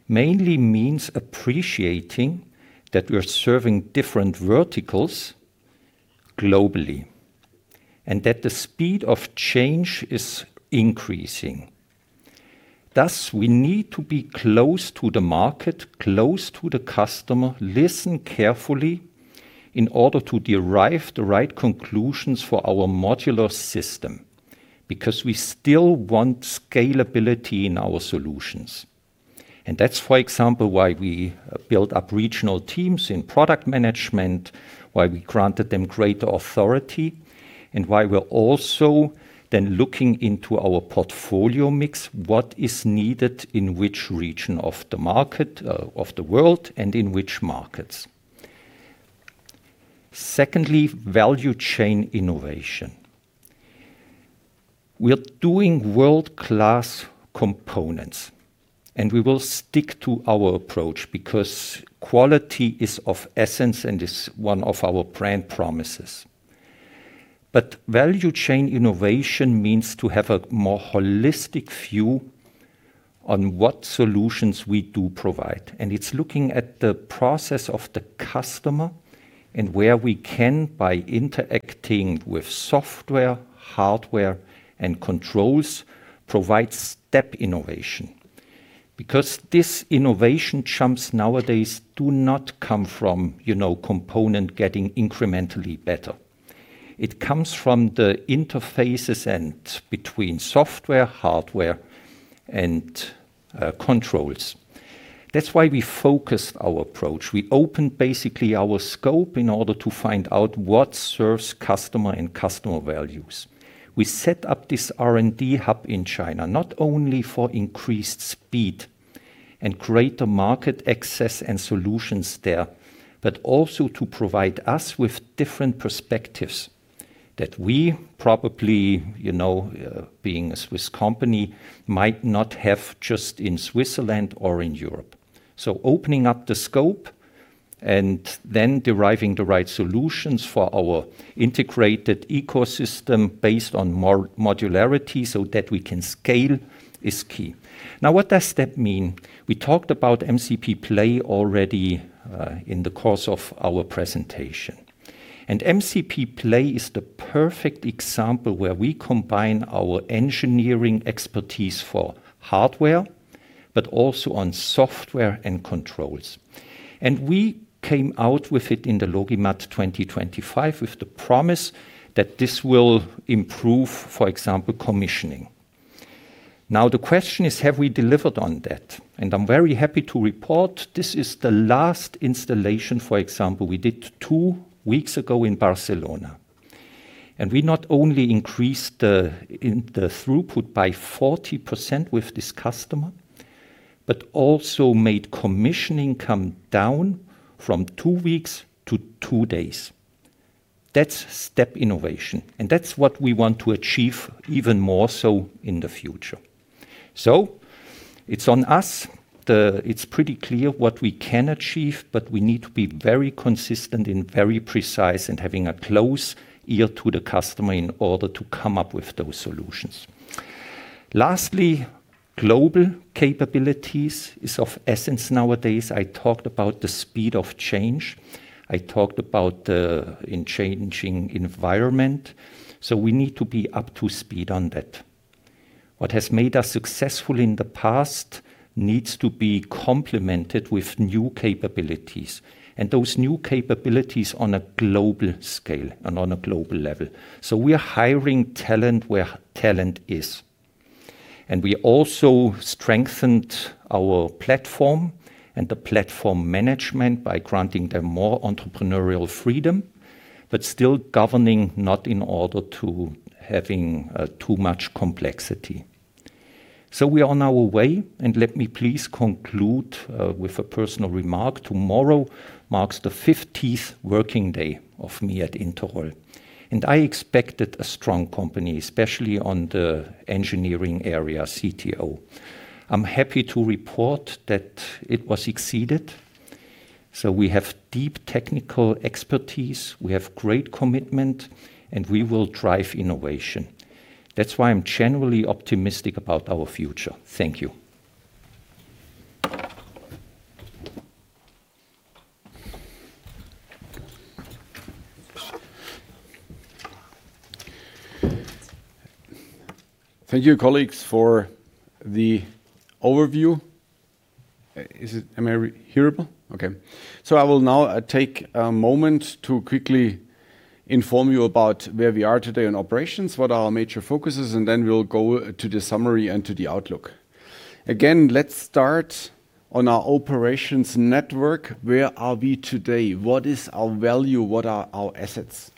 mainly means appreciating that we are serving different verticals globally, and that the speed of change is increasing. Thus, we need to be close to the market, close to the customer, listen carefully in order to derive the right conclusions for our modular system, because we still want scalability in our solutions. That's, for example, why we built up regional teams in product management, why we granted them greater authority, and why we're also then looking into our portfolio mix, what is needed in which region of the market, of the world, and in which markets. Secondly, value chain innovation. We're doing world-class components, and we will stick to our approach because quality is of essence and is one of our brand promises. Value chain innovation means to have a more holistic view on what solutions we do provide, and it's looking at the process of the customer and where we can, by interacting with software, hardware, and controls, provide step innovation. Because these innovation jumps nowadays do not come from, you know, component getting incrementally better. It comes from the interfaces and between software, hardware, and controls. That's why we focus our approach. We open basically our scope in order to find out what serves customer and customer values. We set up this R&D hub in China, not only for increased speed and greater market access and solutions there, but also to provide us with different perspectives that we probably, you know, being a Swiss company, might not have just in Switzerland or in Europe. Opening up the scope and then deriving the right solutions for our integrated ecosystem based on modularity so that we can scale is key. Now, what does that mean? We talked MCP PLAY already in the course of our presentation. MCP PLAY is the perfect example where we combine our engineering expertise for hardware but also on software and controls. We came out with it in the LogiMAT 2025 with the promise that this will improve, for example, commissioning. Now, the question is: have we delivered on that? I'm very happy to report this is the last installation, for example, we did two weeks ago in Barcelona. We not only increased in the throughput by 40% with this customer but also made commissioning come down from two weeks to two days. That's step innovation, and that's what we want to achieve even more so in the future. It's on us. It's pretty clear what we can achieve, but we need to be very consistent and very precise and having a close ear to the customer in order to come up with those solutions. Lastly, global capabilities is of essence nowadays. I talked about the speed of change. I talked about in changing environment, so we need to be up to speed on that. What has made us successful in the past needs to be complemented with new capabilities and those new capabilities on a global scale and on a global level. We are hiring talent where talent is. We also strengthened our platform and the platform management by granting them more entrepreneurial freedom, but still governing not in order to having too much complexity. We are on our way, and let me please conclude with a personal remark. Tomorrow marks the 50th working day of me at Interroll, and I expected a strong company, especially on the engineering area, CTO. I'm happy to report that it was exceeded. We have deep technical expertise, we have great commitment, and we will drive innovation. That's why I'm genuinely optimistic about our future. Thank you. Thank you, colleagues, for the overview. Am I hearable? Okay. I will now take a moment to quickly inform you about where we are today in operations, what are our major focuses, and then we'll go to the summary and to the outlook. Again, let's start on our operations network. Where are we today? What is our value? What are our assets?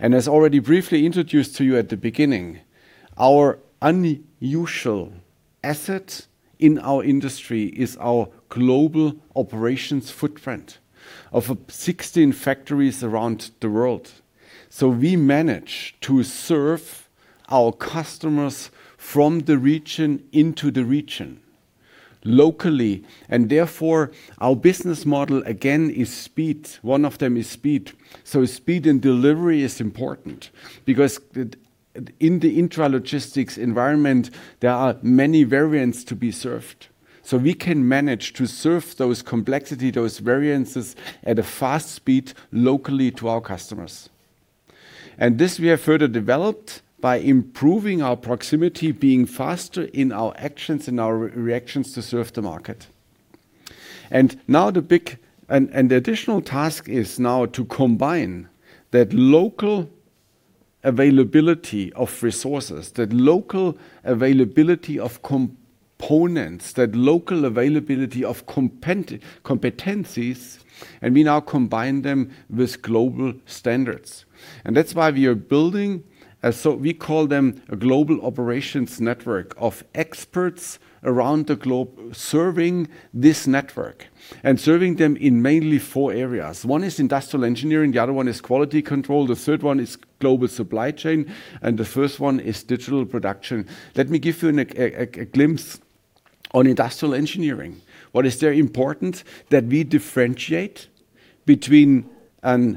As already briefly introduced to you at the beginning, our unusual asset in our industry is our global operations footprint of 16 factories around the world. We manage to serve our customers from the region into the region locally, and therefore our business model again is speed. One of them is speed. Speed and delivery is important because in the intralogistics environment, there are many variants to be served. We can manage to serve those complexity, those variances at a fast speed locally to our customers. This we have further developed by improving our proximity, being faster in our actions and our reactions to serve the market. The additional task is now to combine that local availability of resources, that local availability of components, that local availability of competencies, and we now combine them with global standards. That's why we are building we call them a global operations network of experts around the globe serving this network and serving them in mainly four areas. One is industrial engineering, the other one is quality control, the third one is global supply chain, and the first one is digital production. Let me give you a glimpse on industrial engineering. What is very important that we differentiate between a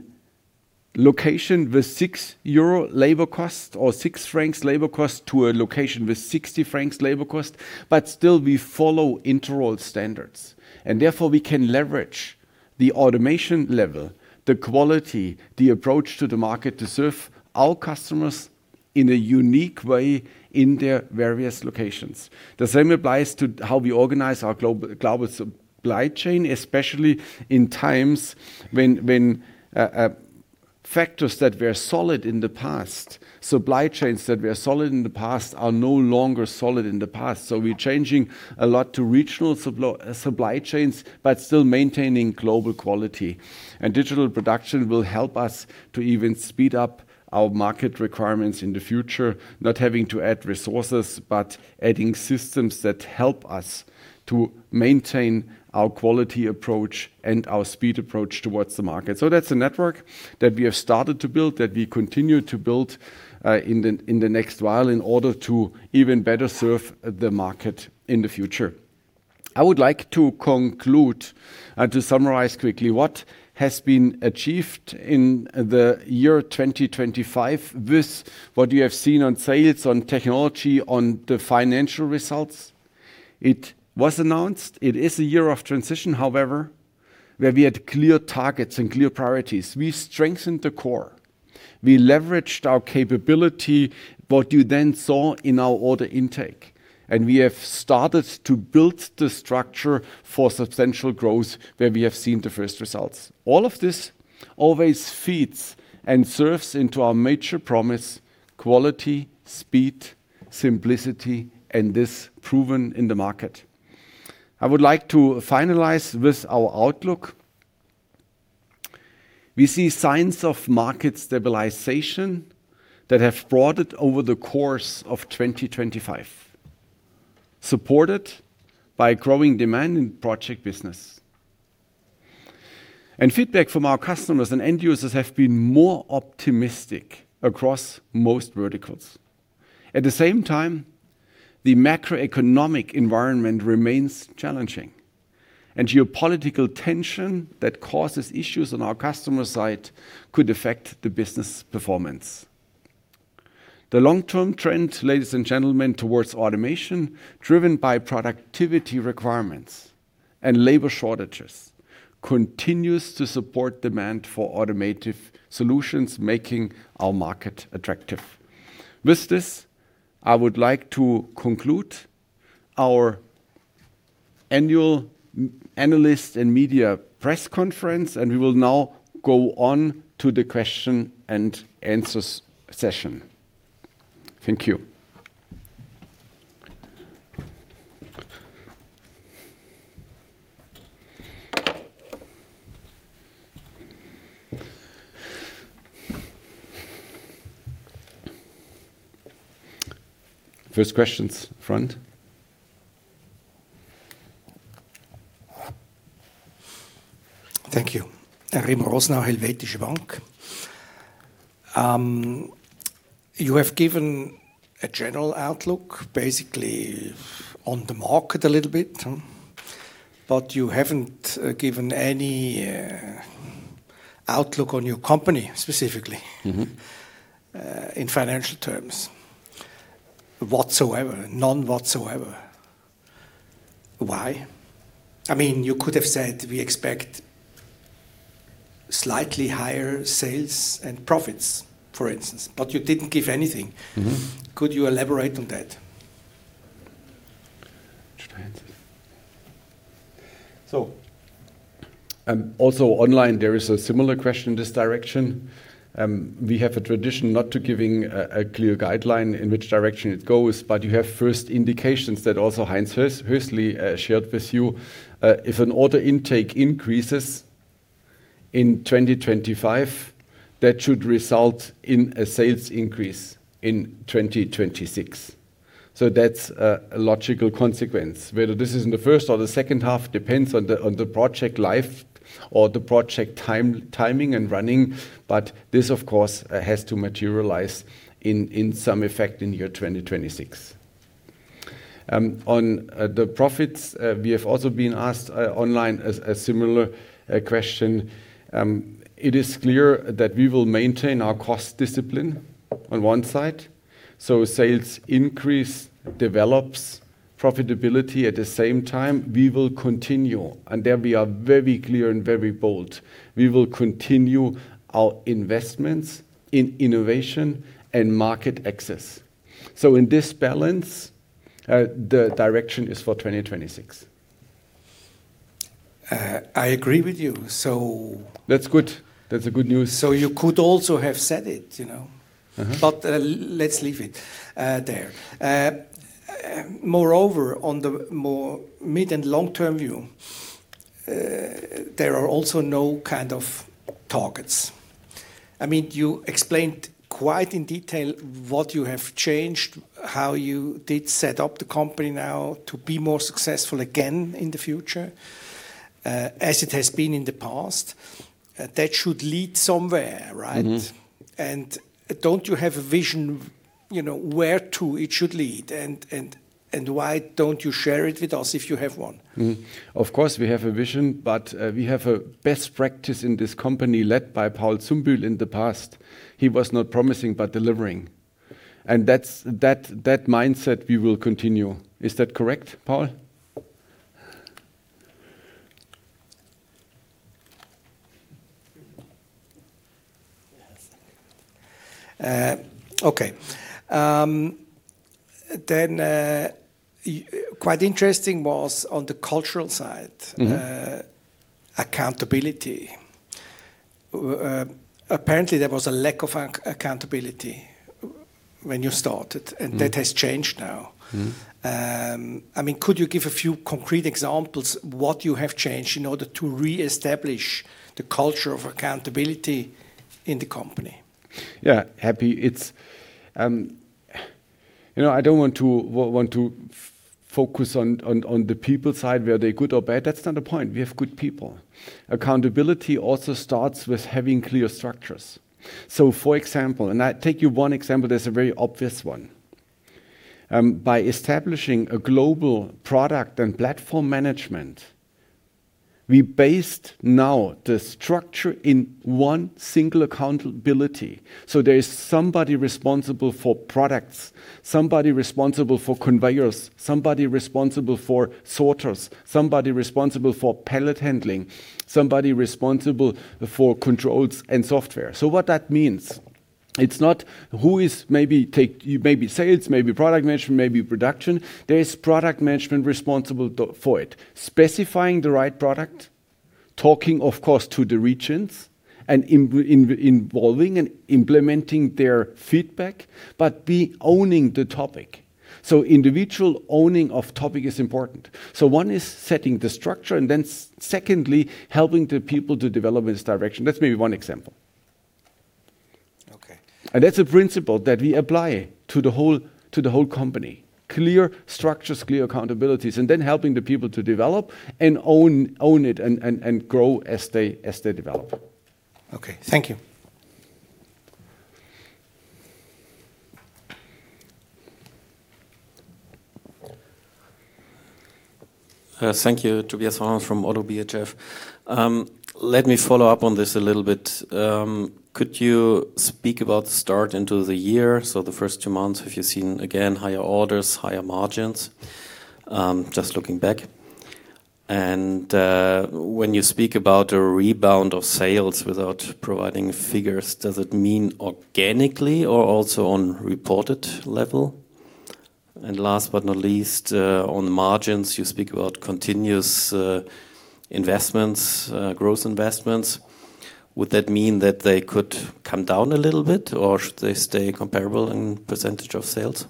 location with 6 euro labor cost or 6 francs labor cost to a location with 60 francs labor cost, but still we follow Interroll standards, and therefore we can leverage the automation level, the quality, the approach to the market to serve our customers in a unique way in their various locations. The same applies to how we organize our global supply chain, especially in times when factors that were solid in the past, supply chains that were solid in the past are no longer solid in the past. We're changing a lot to regional supply chains, but still maintaining global quality. Digital production will help us to even speed up our market requirements in the future, not having to add resources, but adding systems that help us to maintain our quality approach and our speed approach towards the market. That's a network that we have started to build, that we continue to build, in the next while in order to even better serve the market in the future. I would like to conclude and to summarize quickly what has been achieved in the year 2025 with what you have seen on sales, on technology, on the financial results. It was announced. It is a year of transition, however, where we had clear targets and clear priorities. We strengthened the core. We leveraged our capability, what you then saw in our order intake, and we have started to build the structure for substantial growth where we have seen the first results. All of this always feeds and serves into our major promise, quality, speed, simplicity, and this proven in the market. I would like to finalize with our outlook. We see signs of market stabilization that have broadened over the course of 2025, supported by growing demand in project business. Feedback from our customers and end users have been more optimistic across most verticals. At the same time, the macroeconomic environment remains challenging, and geopolitical tension that causes issues on our customer side could affect the business performance. The long-term trend, ladies and gentlemen, towards automation driven by productivity requirements and labor shortages continues to support demand for automated solutions, making our market attractive. With this, I would like to conclude our annual analysts and media press conference, and we will now go on to the question and answers session. Thank you. First questions, front. Thank you. Remo Rosenau, Helvetische Bank. You have given a general outlook basically on the market a little bit, but you haven't given any outlook on your company specifically. Mm-hmm. In financial terms whatsoever. None whatsoever. Why? I mean, you could have said, "We expect slightly higher sales and profits," for instance, but you didn't give anything. Mm-hmm. Could you elaborate on that? Also online there is a similar question in this direction. We have a tradition not to giving a clear guideline in which direction it goes, but you have first indications that also Heinz Hössli shared with you. If an order intake increases in 2025, that should result in a sales increase in 2026. That's a logical consequence. Whether this is in the first or the second half depends on the project life or the project timing and running. This, of course, has to materialize in some effect in year 2026. On the profits, we have also been asked online a similar question. It is clear that we will maintain our cost discipline on one side. Sales increase develops profitability. At the same time, we will continue, and there we are very clear and very bold, we will continue our investments in innovation and market access. In this balance, the direction is for 2026. I agree with you. That's good. That's good news. You could also have said it, you know? Uh-huh. Let's leave it there. Moreover, on the more mid and long-term view, there are also no kind of targets. I mean, you explained quite in detail what you have changed, how you did set up the company now to be more successful again in the future, as it has been in the past. That should lead somewhere, right? Mm-hmm. Don't you have a vision, you know, where it should lead and why don't you share it with us if you have one? Of course, we have a vision, but we have a best practice in this company led by Paul Zumbühl in the past. He was not promising, but delivering. That's that mindset we will continue. Is that correct, Paul? Okay. Quite interesting was on the cultural side. Mm-hmm.. Accountability. Apparently there was a lack of accountability when you started. Mm-hmm That has changed now. Mm-hmm. I mean, could you give a few concrete examples what you have changed in order to reestablish the culture of accountability in the company? Yeah, happy. It's, you know, I don't want to focus on the people side, were they good or bad? That's not the point. We have good people. Accountability also starts with having clear structures. For example, I take you one example that's a very obvious one. By establishing a global product and platform management, we based now the structure in one single accountability. There is somebody responsible for products, somebody responsible for Conveyors, somebody responsible for Sorters, somebody responsible for Pallet Handling, somebody responsible for Controls and Software. What that means, it's not who is maybe sales, maybe product management, maybe production. There is product management responsible for it. Specifying the right product, talking, of course, to the regions and involving and implementing their feedback, but the owning the topic. Individual owning of topic is important. One is setting the structure, and then secondly, helping the people to develop in this direction. That's maybe one example. Okay. That's a principle that we apply to the whole company. Clear structures, clear accountabilities, and then helping the people to develop and own it and grow as they develop. Okay. Thank you. Thank you. Tobias Fahrenholz from ODDO BHF. Let me follow up on this a little bit. Could you speak about the start into the year? The first two months, have you seen, again, higher orders, higher margins? Just looking back. When you speak about a rebound of sales without providing figures, does it mean organically or also on reported level? Last but not least, on the margins, you speak about continuous investments, growth investments. Would that mean that they could come down a little bit, or should they stay comparable in percentage of sales?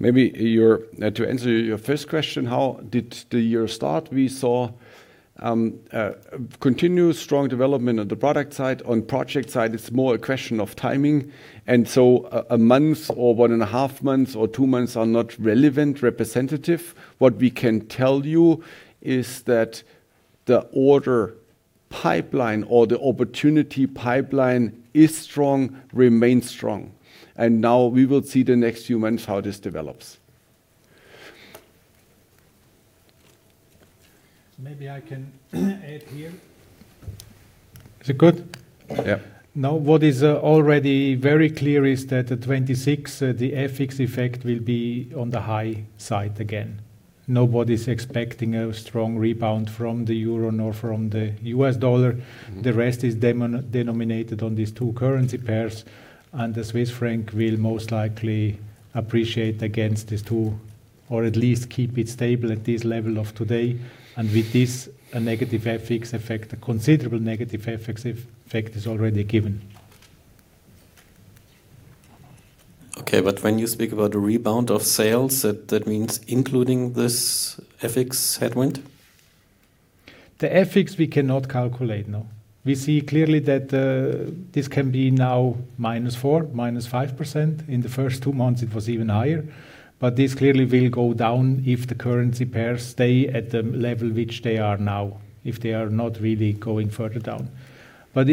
To answer your first question, how did the year start? We saw a continuous strong development on the product side. On project side, it's more a question of timing, and so a month or one and a half months or two months are not relevant, representative. What we can tell you is that the order pipeline or the opportunity pipeline is strong, remains strong, and now we will see the next few months how this develops. Maybe I can add here. Is it good? Yeah. Now, what is already very clear is that at 2026, the FX effect will be on the high side again. Nobody's expecting a strong rebound from the euro nor from the U.S. dollar. The rest is denominated on these two currency pairs, and the Swiss franc will most likely appreciate against these two, or at least keep it stable at this level of today. With this, a negative FX effect, a considerable negative FX effect is already given. Okay, when you speak about a rebound of sales, that means including this FX headwind? The FX we cannot calculate, no. We see clearly that this can be now -4%, -5%. In the first two months, it was even higher. This clearly will go down if the currency pairs stay at the level which they are now, if they are not really going further down. What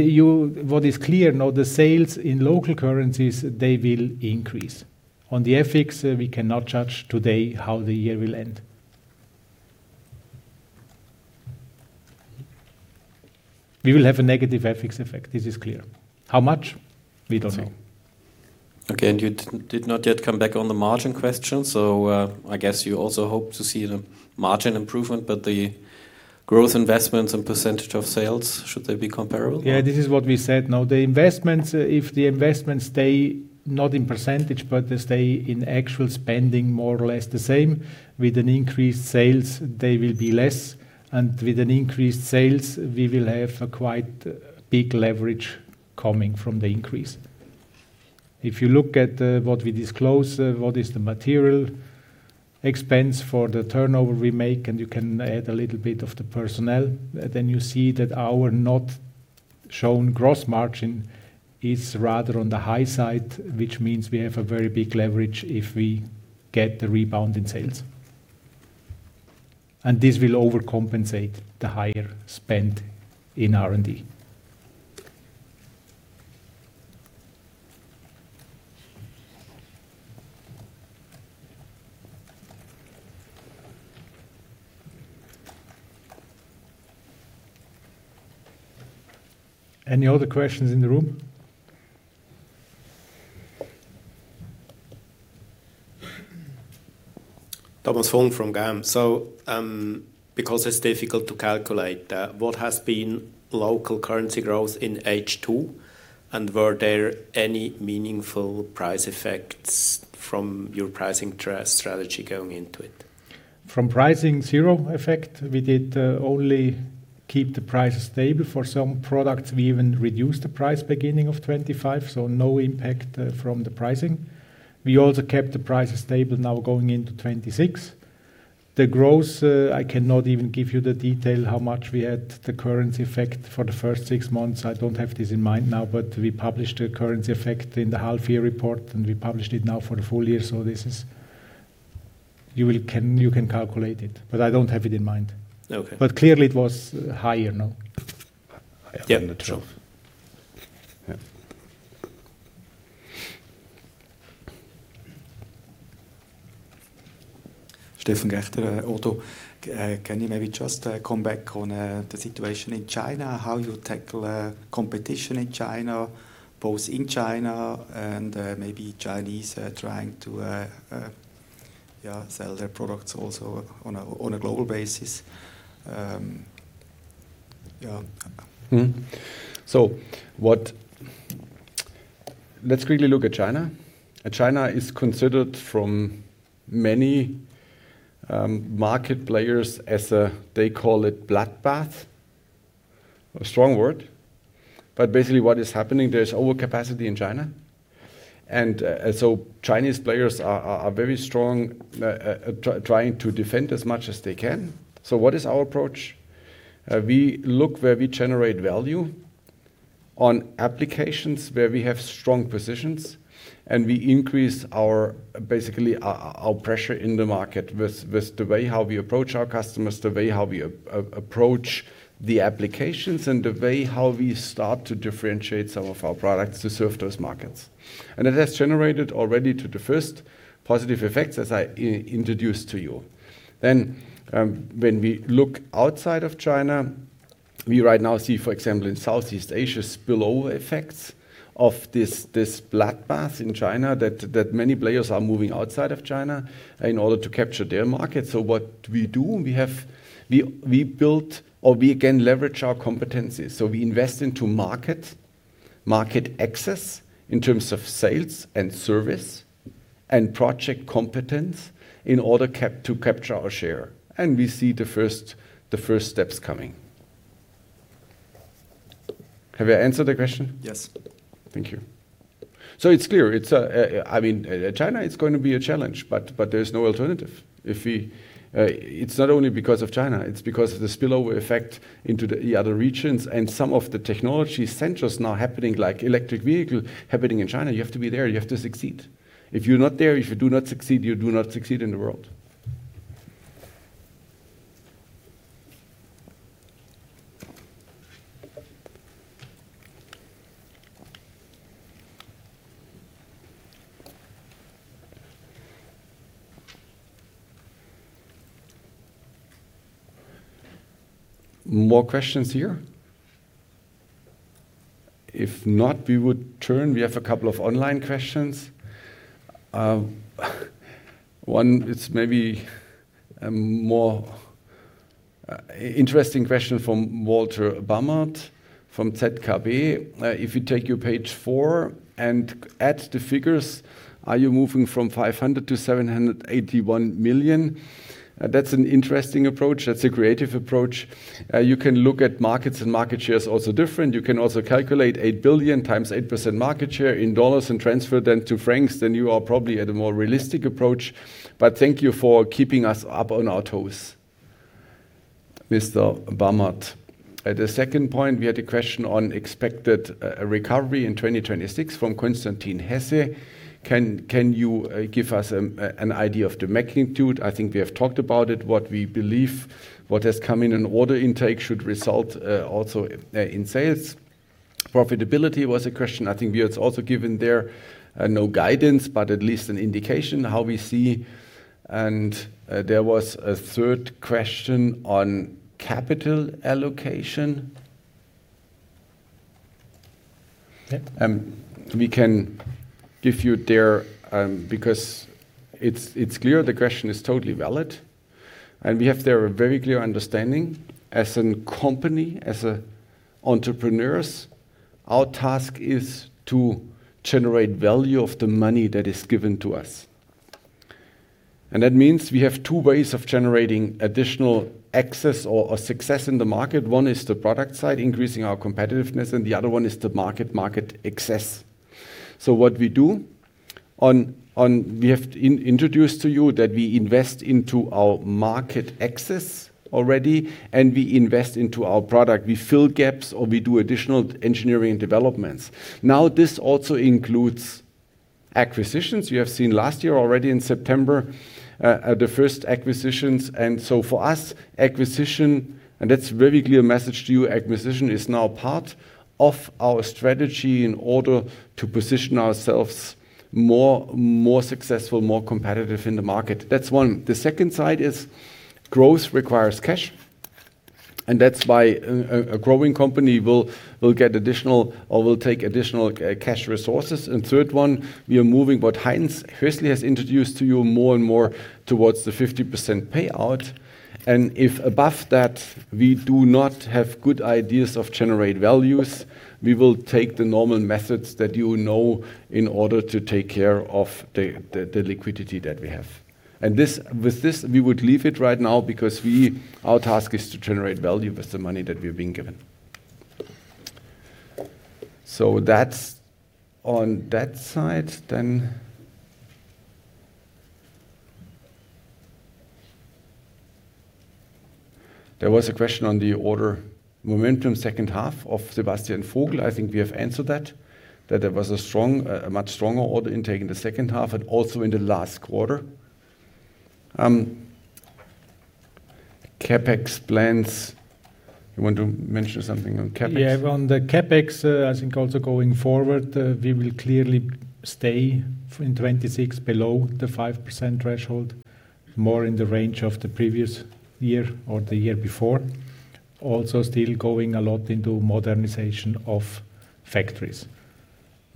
is clear now, the sales in local currencies, they will increase. On the FX, we cannot judge today how the year will end. We will have a negative FX effect, this is clear. How much? We don't know. Okay, you did not yet come back on the margin question, so I guess you also hope to see the margin improvement. The growth investments and percentage of sales, should they be comparable? Yeah, this is what we said. Now, the investments, if the investments stay not in percentage, but they stay in actual spending, more or less the same, with an increased sales, they will be less. With an increased sales, we will have a quite big leverage coming from the increase. If you look at what we disclose, what is the material expense for the turnover we make, and you can add a little bit of the personnel, then you see that our not shown gross margin is rather on the high side, which means we have a very big leverage if we get the rebound in sales. This will overcompensate the higher spend in R&D. Any other questions in the room? Thomas Funk from GAM. Because it's difficult to calculate what has been local currency growth in H2, and were there any meaningful price effects from your pricing strategy going into it? From pricing, zero effect. We did only keep the prices stable. For some products, we even reduced the price beginning of 2025, so no impact from the pricing. We also kept the prices stable now going into 2026. The growth, I cannot even give you the detail how much we had the currency effect for the first six months. I don't have this in mind now, but we published a currency effect in the half year report, and we published it now for the full year, so this is. You can calculate it, but I don't have it in mind. Okay. Clearly it was higher, no? Yeah. Higher on the trough. Yeah. Stefan Gaechter, ODDO BHF, can you maybe just come back on the situation in China, how you tackle competition in China, both in China and maybe Chinese are trying to sell their products also on a global basis? Let's quickly look at China. China is considered from many market players as a, they call it bloodbath. A strong word, but basically what is happening, there's overcapacity in China, and Chinese players are very strong, trying to defend as much as they can. What is our approach? We look where we generate value on applications where we have strong positions, and we increase basically our pressure in the market with the way how we approach our customers, the way how we approach the applications, and the way how we start to differentiate some of our products to serve those markets. That's generated already to the first positive effects, as I introduced to you. When we look outside of China, we right now see, for example, in Southeast Asia, spillover effects of this bloodbath in China that many players are moving outside of China in order to capture their market. What we do, we built or we again leverage our competencies. We invest into market access in terms of sales and service and project competence in order to capture our share. We see the first steps coming. Have I answered the question? Yes. Thank you. It's clear. It's, I mean, China, it's going to be a challenge, but there is no alternative. It's not only because of China, it's because of the spillover effect into the other regions and some of the technology centers now happening, like electric vehicle happening in China. You have to be there, you have to succeed. If you're not there, if you do not succeed, you do not succeed in the world. More questions here? If not, we would turn. We have a couple of online questions. One, it's maybe a more interesting question from Walter Bamert from ZKB. If you take your page four and add the figures, are you moving from 500 million-781 million? That's an interesting approach. That's a creative approach. You can look at markets and market shares also different. You can also calculate $8 billion times 8% market share in dollars and transfer then to francs, then you are probably at a more realistic approach. But thank you for keeping us up on our toes, Mr. Bamert. At the second point, we had a question on expected recovery in 2026 from Constantin Hesse. Can you give us an idea of the magnitude? I think we have talked about it, what we believe, what has come in an order intake should result also in sales. Profitability was a question. I think we had also given there no guidance, but at least an indication how we see. There was a third question on capital allocation. Yeah. We can, if you dare, because it's clear the question is totally valid, and we have there a very clear understanding. As a company, as entrepreneurs, our task is to generate value of the money that is given to us. That means we have two ways of generating additional access or success in the market. One is the product side, increasing our competitiveness, and the other one is the market access. What we do. We have introduced to you that we invest into our market access already, and we invest into our product. We fill gaps, or we do additional engineering developments. Now, this also includes acquisitions. You have seen last year already in September the first acquisitions. For us, acquisition, and that's very clear message to you, acquisition is now part of our strategy in order to position ourselves more successful, more competitive in the market. That's one. The second side is growth requires cash, and that's why a growing company will get additional or will take additional cash resources. Third one, we are moving what Heinz Hössli has introduced to you more and more towards the 50% payout. If above that, we do not have good ideas of generate values, we will take the normal methods that you know in order to take care of the liquidity that we have. With this, we would leave it right now because our task is to generate value with the money that we've been given. That's on that side then. There was a question on the order momentum second half of Sebastian Vogel. I think we have answered that there was a strong, a much stronger order intake in the second half and also in the last quarter. CapEx plans. You want to mention something on CapEx? Yeah. On the CapEx, I think also going forward, we will clearly stay in 2026 below the 5% threshold, more in the range of the previous year or the year before. Also still going a lot into modernization of factories.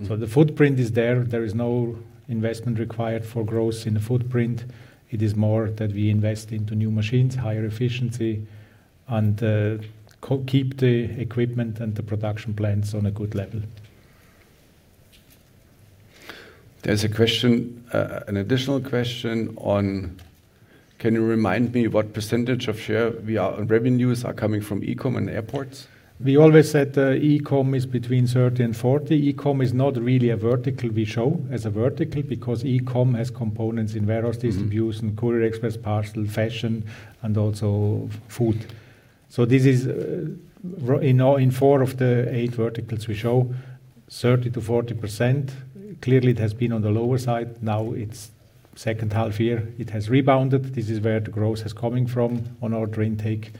Mm-hmm. The footprint is there. There is no investment required for growth in the footprint. It is more that we invest into new machines, higher efficiency, and keep the equipment and the production plants on a good level. There's a question, an additional question on, can you remind me what percentage of revenues are coming from e-commerce and airports? We always said, e-commerce is between 30% and 40%. E-commerce is not really a vertical we show as a vertical because e-commerce has components in various. Mm-hmm. Distribution and courier, express, parcel, fashion, and also food. This is in four of the eight verticals we show, 30%-40%. Clearly, it has been on the lower side. Now it's second half year, it has rebounded. This is where the growth is coming from on order intake,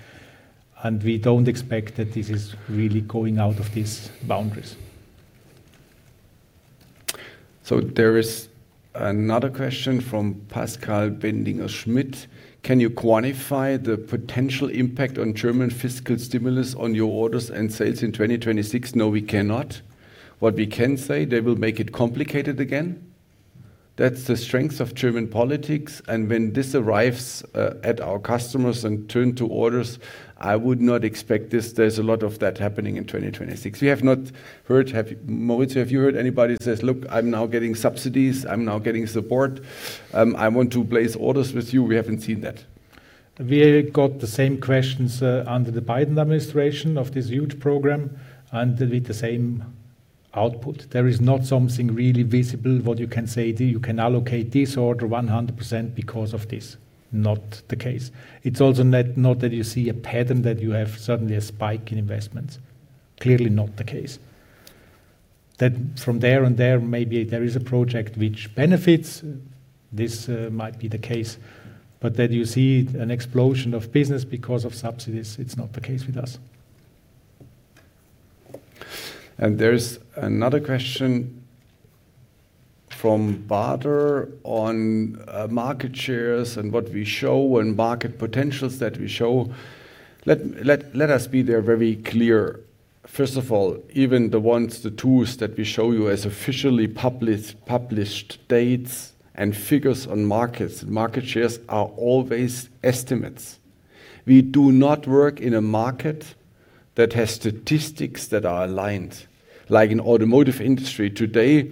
and we don't expect that this is really going out of these boundaries. There is another question from Pascal Bendinger-Schmidt. Can you quantify the potential impact on German fiscal stimulus on your orders and sales in 2026? No, we cannot. What we can say, they will make it complicated again. That's the strength of German politics. When this arrives at our customers and turn to orders, I would not expect this. There's a lot of that happening in 2026. We have not heard. Maurizio, have you heard anybody says, "Look, I'm now getting subsidies. I'm now getting support. I want to place orders with you." We haven't seen that. We got the same questions under the Biden administration of this huge program and with the same output. There is not something really visible what you can say, you can allocate this order 100% because of this. Not the case. It's also not that you see a pattern that you have suddenly a spike in investments. Clearly not the case. That from here and there, maybe there is a project which benefits. This might be the case, but that you see an explosion of business because of subsidies, it's not the case with us. There's another question from Baader on market shares and what we show and market potentials that we show. Let us be very clear. First of all, even the ones, the tools that we show you as officially published data and figures on markets, market shares are always estimates. We do not work in a market that has statistics that are aligned. Like in the automotive industry today,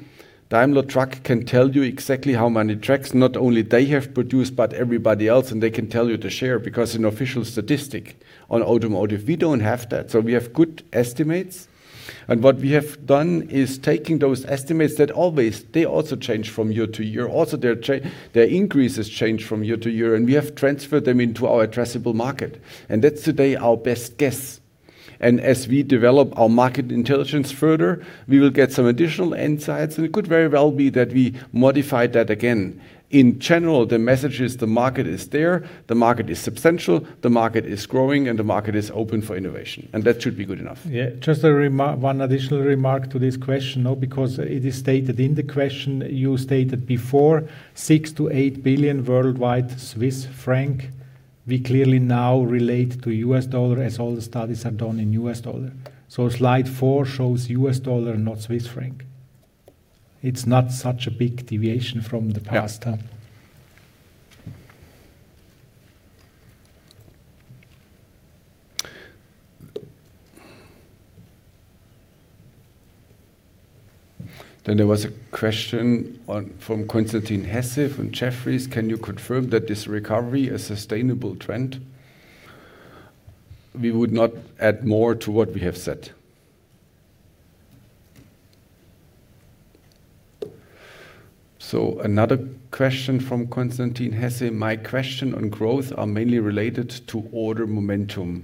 Daimler Truck can tell you exactly how many trucks, not only they have produced, but everybody else, and they can tell you the share because an official statistic on automotive. We don't have that. We have good estimates, and what we have done is taking those estimates that always they also change from year to year. Also, their increases change from year to year, and we have transferred them into our addressable market. That's today our best guess. As we develop our market intelligence further, we will get some additional insights, and it could very well be that we modify that again. In general, the message is the market is there, the market is substantial, the market is growing and the market is open for innovation. That should be good enough. Yeah. Just one additional remark to this question, though, because it is stated in the question, you stated before $6 billion-$8 billion worldwide Swiss franc. We clearly now relate to U.S. dollar as all the studies are done in U.S. dollar. So slide four shows U.S. dollar, not Swiss franc. It's not such a big deviation from the past. Yeah. There was a question from Constantin Hesse from Jefferies. Can you confirm that this recovery a sustainable trend? We would not add more to what we have said. Another question from Constantin Hesse. My question on growth are mainly related to order momentum.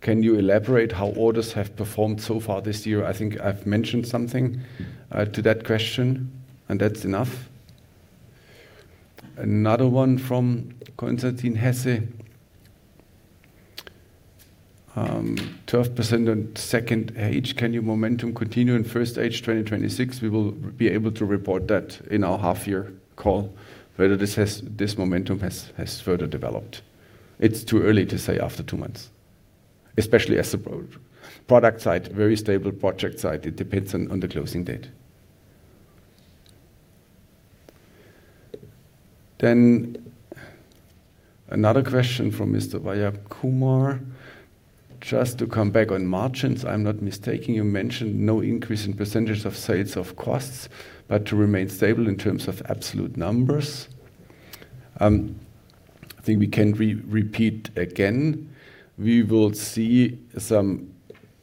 Can you elaborate how orders have performed so far this year? I think I've mentioned something to that question, and that's enough. Another one from Constantin Hesse. 12% on second half. Can your momentum continue in first half 2026? We will be able to report that in our half-year call, whether this momentum has further developed. It's too early to say after two months, especially as the pure product side, very stable project side. It depends on the closing date. Another question from Mr. Vivek Kumar. Just to come back on margins, if I'm not mistaken, you mentioned no increase in percentage of sales or costs, but to remain stable in terms of absolute numbers. I think we can repeat again. We will see some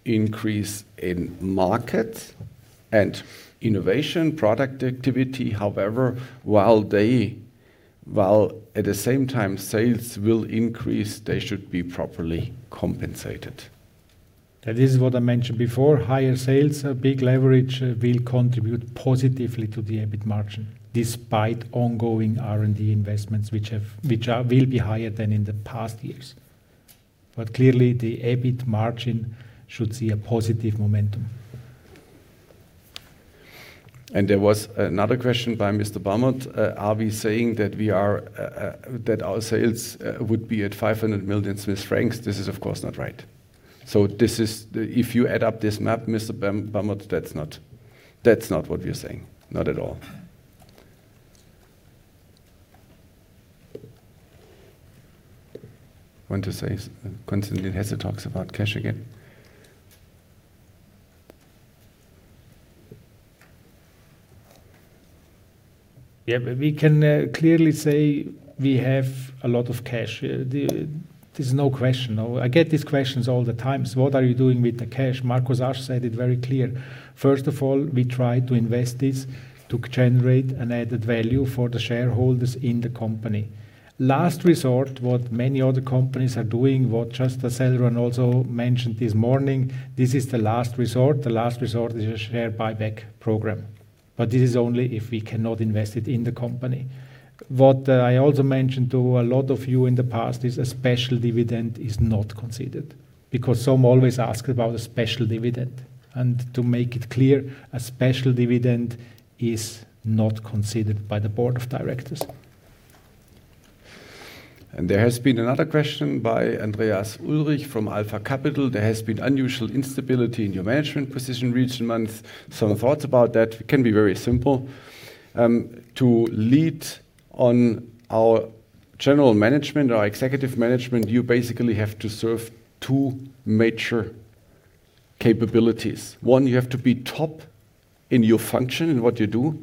increase in marketing and innovation product activity. However, while at the same time sales will increase, they should be properly compensated. That is what I mentioned before. Higher sales, a big leverage, will contribute positively to the EBIT margin despite ongoing R&D investments, which will be higher than in the past years. Clearly, the EBIT margin should see a positive momentum. There was another question by Mr. Bamert. Are we saying that our sales would be at 500 million francs? This is of course not right. If you add up this math, Mr. Bamert, that's not what we are saying. Not at all. Want to say Constantin Hesse talks about cash again. Yeah. We can clearly say we have a lot of cash. There's no question. I get these questions all the time. What are you doing with the cash? Markus Asch said it very clear. First of all, we try to invest this to generate an added value for the shareholders in the company. Last resort, what many other companies are doing, what just Zehnder also mentioned this morning, this is the last resort. The last resort is a share buyback program. This is only if we cannot invest it in the company. What, I also mentioned to a lot of you in the past is a special dividend is not considered, because some always ask about a special dividend. To make it clear, a special dividend is not considered by the board of directors. There has been another question by Andreas Ulrich from AlphaValue. There has been unusual instability in your management position recent months. Some thoughts about that? It can be very simple. To lead on our general management or executive management, you basically have to serve two major capabilities. One, you have to be top in your function in what you do.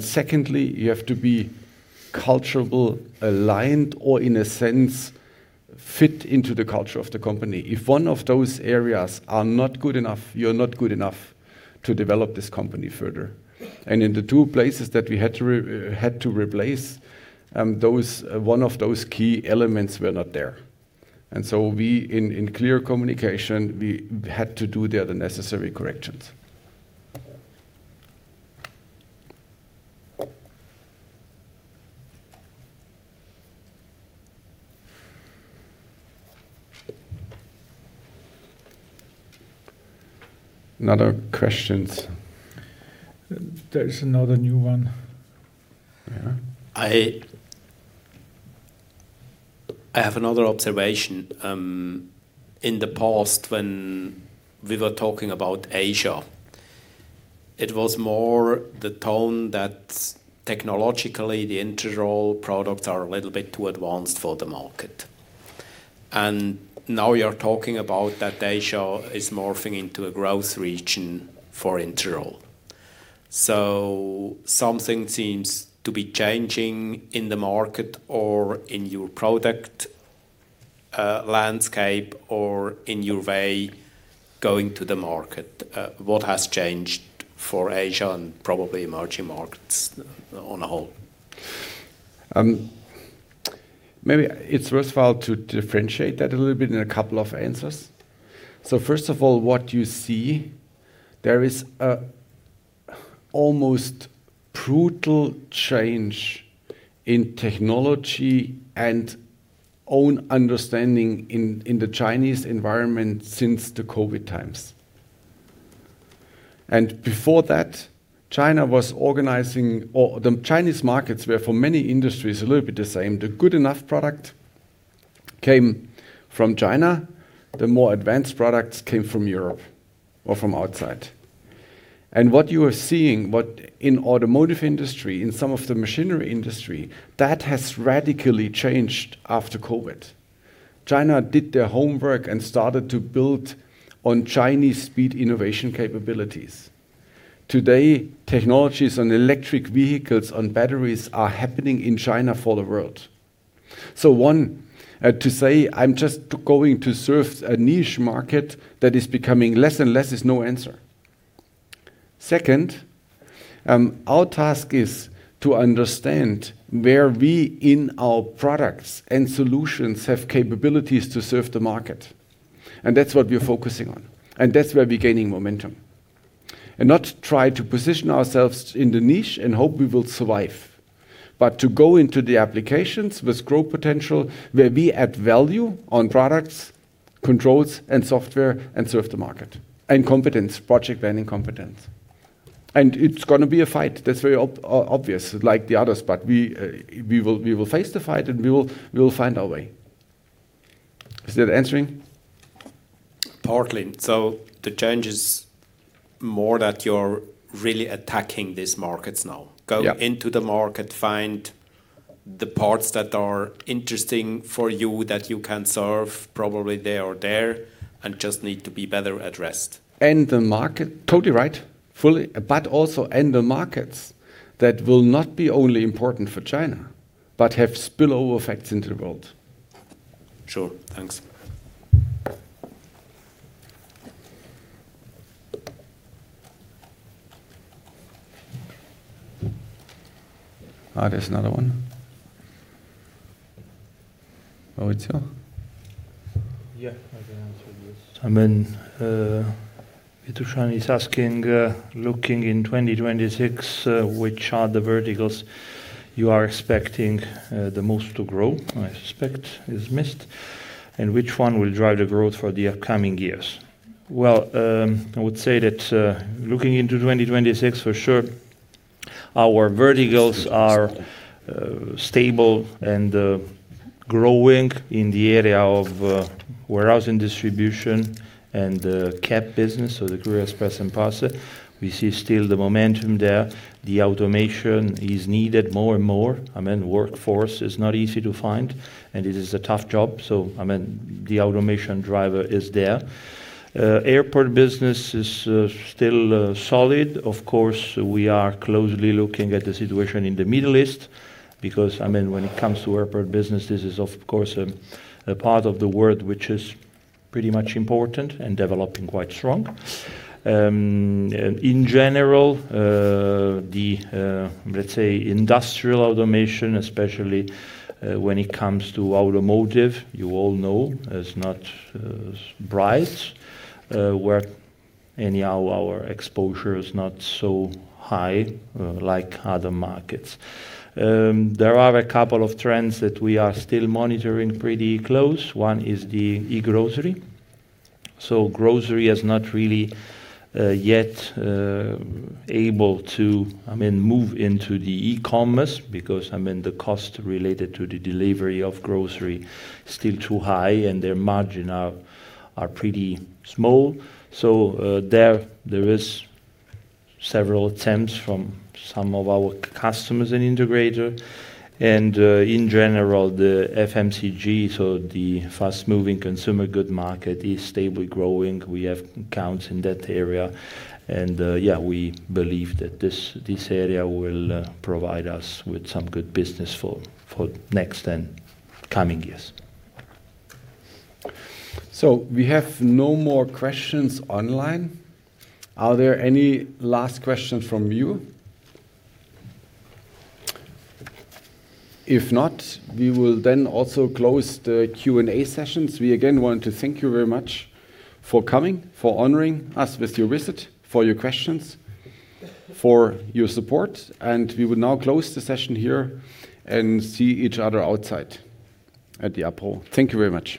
Secondly, you have to be cultural aligned or in a sense fit into the culture of the company. If one of those areas are not good enough, you're not good enough to develop this company further. In the two places that we had to replace, one of those key elements were not there. We in clear communication, we had to do there the necessary corrections. Another question. There is another new one. Yeah. I have another observation. In the past when we were talking about Asia, it was more the tone that technologically the Interroll products are a little bit too advanced for the market. Now you're talking about that Asia is morphing into a growth region for Interroll. Something seems to be changing in the market or in your product landscape or in your way going to the market. What has changed for Asia and probably emerging markets as a whole? Maybe it's worthwhile to differentiate that a little bit in a couple of answers. First of all, what you see, there is an almost brutal change in technology and own understanding in the Chinese environment since the COVID times. Before that, the Chinese markets were for many industries a little bit the same. The good enough product came from China. The more advanced products came from Europe or from outside. What you are seeing in automotive industry, in some of the machinery industry, that has radically changed after COVID. China did their homework and started to build on Chinese speed innovation capabilities. Today, technologies on electric vehicles, on batteries are happening in China for the world. One to say, "I'm just going to serve a niche market that is becoming less and less" is no answer. Second, our task is to understand where we in our products and solutions have capabilities to serve the market, and that's what we're focusing on, and that's where we're gaining momentum. Not try to position ourselves in the niche and hope we will survive. To go into the applications with growth potential, where we add value on products, controls and software and serve the market and competence, project planning competence. It's gonna be a fight. That's very obvious like the others. We will face the fight and we will find our way. Is that answering? Partly. The change is more that you're really attacking these markets now. Yeah. Go into the market, find the parts that are interesting for you that you can serve probably there or there, and just need to be better addressed. The market. Totally right. Fully. Also, the markets that will not be only important for China, but have spillover effects into the world. Sure. Thanks. There's another one. Oh, it's you? Yeah, I can answer this. I mean, [Vithushan] is asking, looking in 2026, which are the verticals you are expecting the most to grow, I suspect is missed, and which one will drive the growth for the upcoming years? Well, I would say that, looking into 2026, for sure our verticals are stable and growing in the area of warehouse and distribution and CEP business or the Courier, Express, and Parcel. We see still the momentum there. The automation is needed more and more. I mean, workforce is not easy to find, and it is a tough job, so I mean, the automation driver is there. Airport business is still solid. Of course, we are closely looking at the situation in the Middle East because, when it comes to airport business, this is of course a part of the world which is pretty much important and developing quite strong. In general, let's say industrial automation, especially, when it comes to automotive, you all know is not as bright, where anyhow our exposure is not so high like other markets. There are a couple of trends that we are still monitoring pretty close. One is the e-grocery. Grocery is not really yet able to, I mean, move into the e-commerce because, I mean, the cost related to the delivery of grocery is still too high and their margin are pretty small. There is several attempts from some of our customers and integrator. In general, the FMCG, so the fast-moving consumer goods market is stably growing. We have accounts in that area. Yeah, we believe that this area will provide us with some good business for next and coming years. We have no more questions online. Are there any last questions from you? If not, we will then also close the Q&A sessions. We again want to thank you very much for coming, for honoring us with your visit, for your questions, for your support, and we will now close the session here and see each other outside at the apéro. Thank you very much.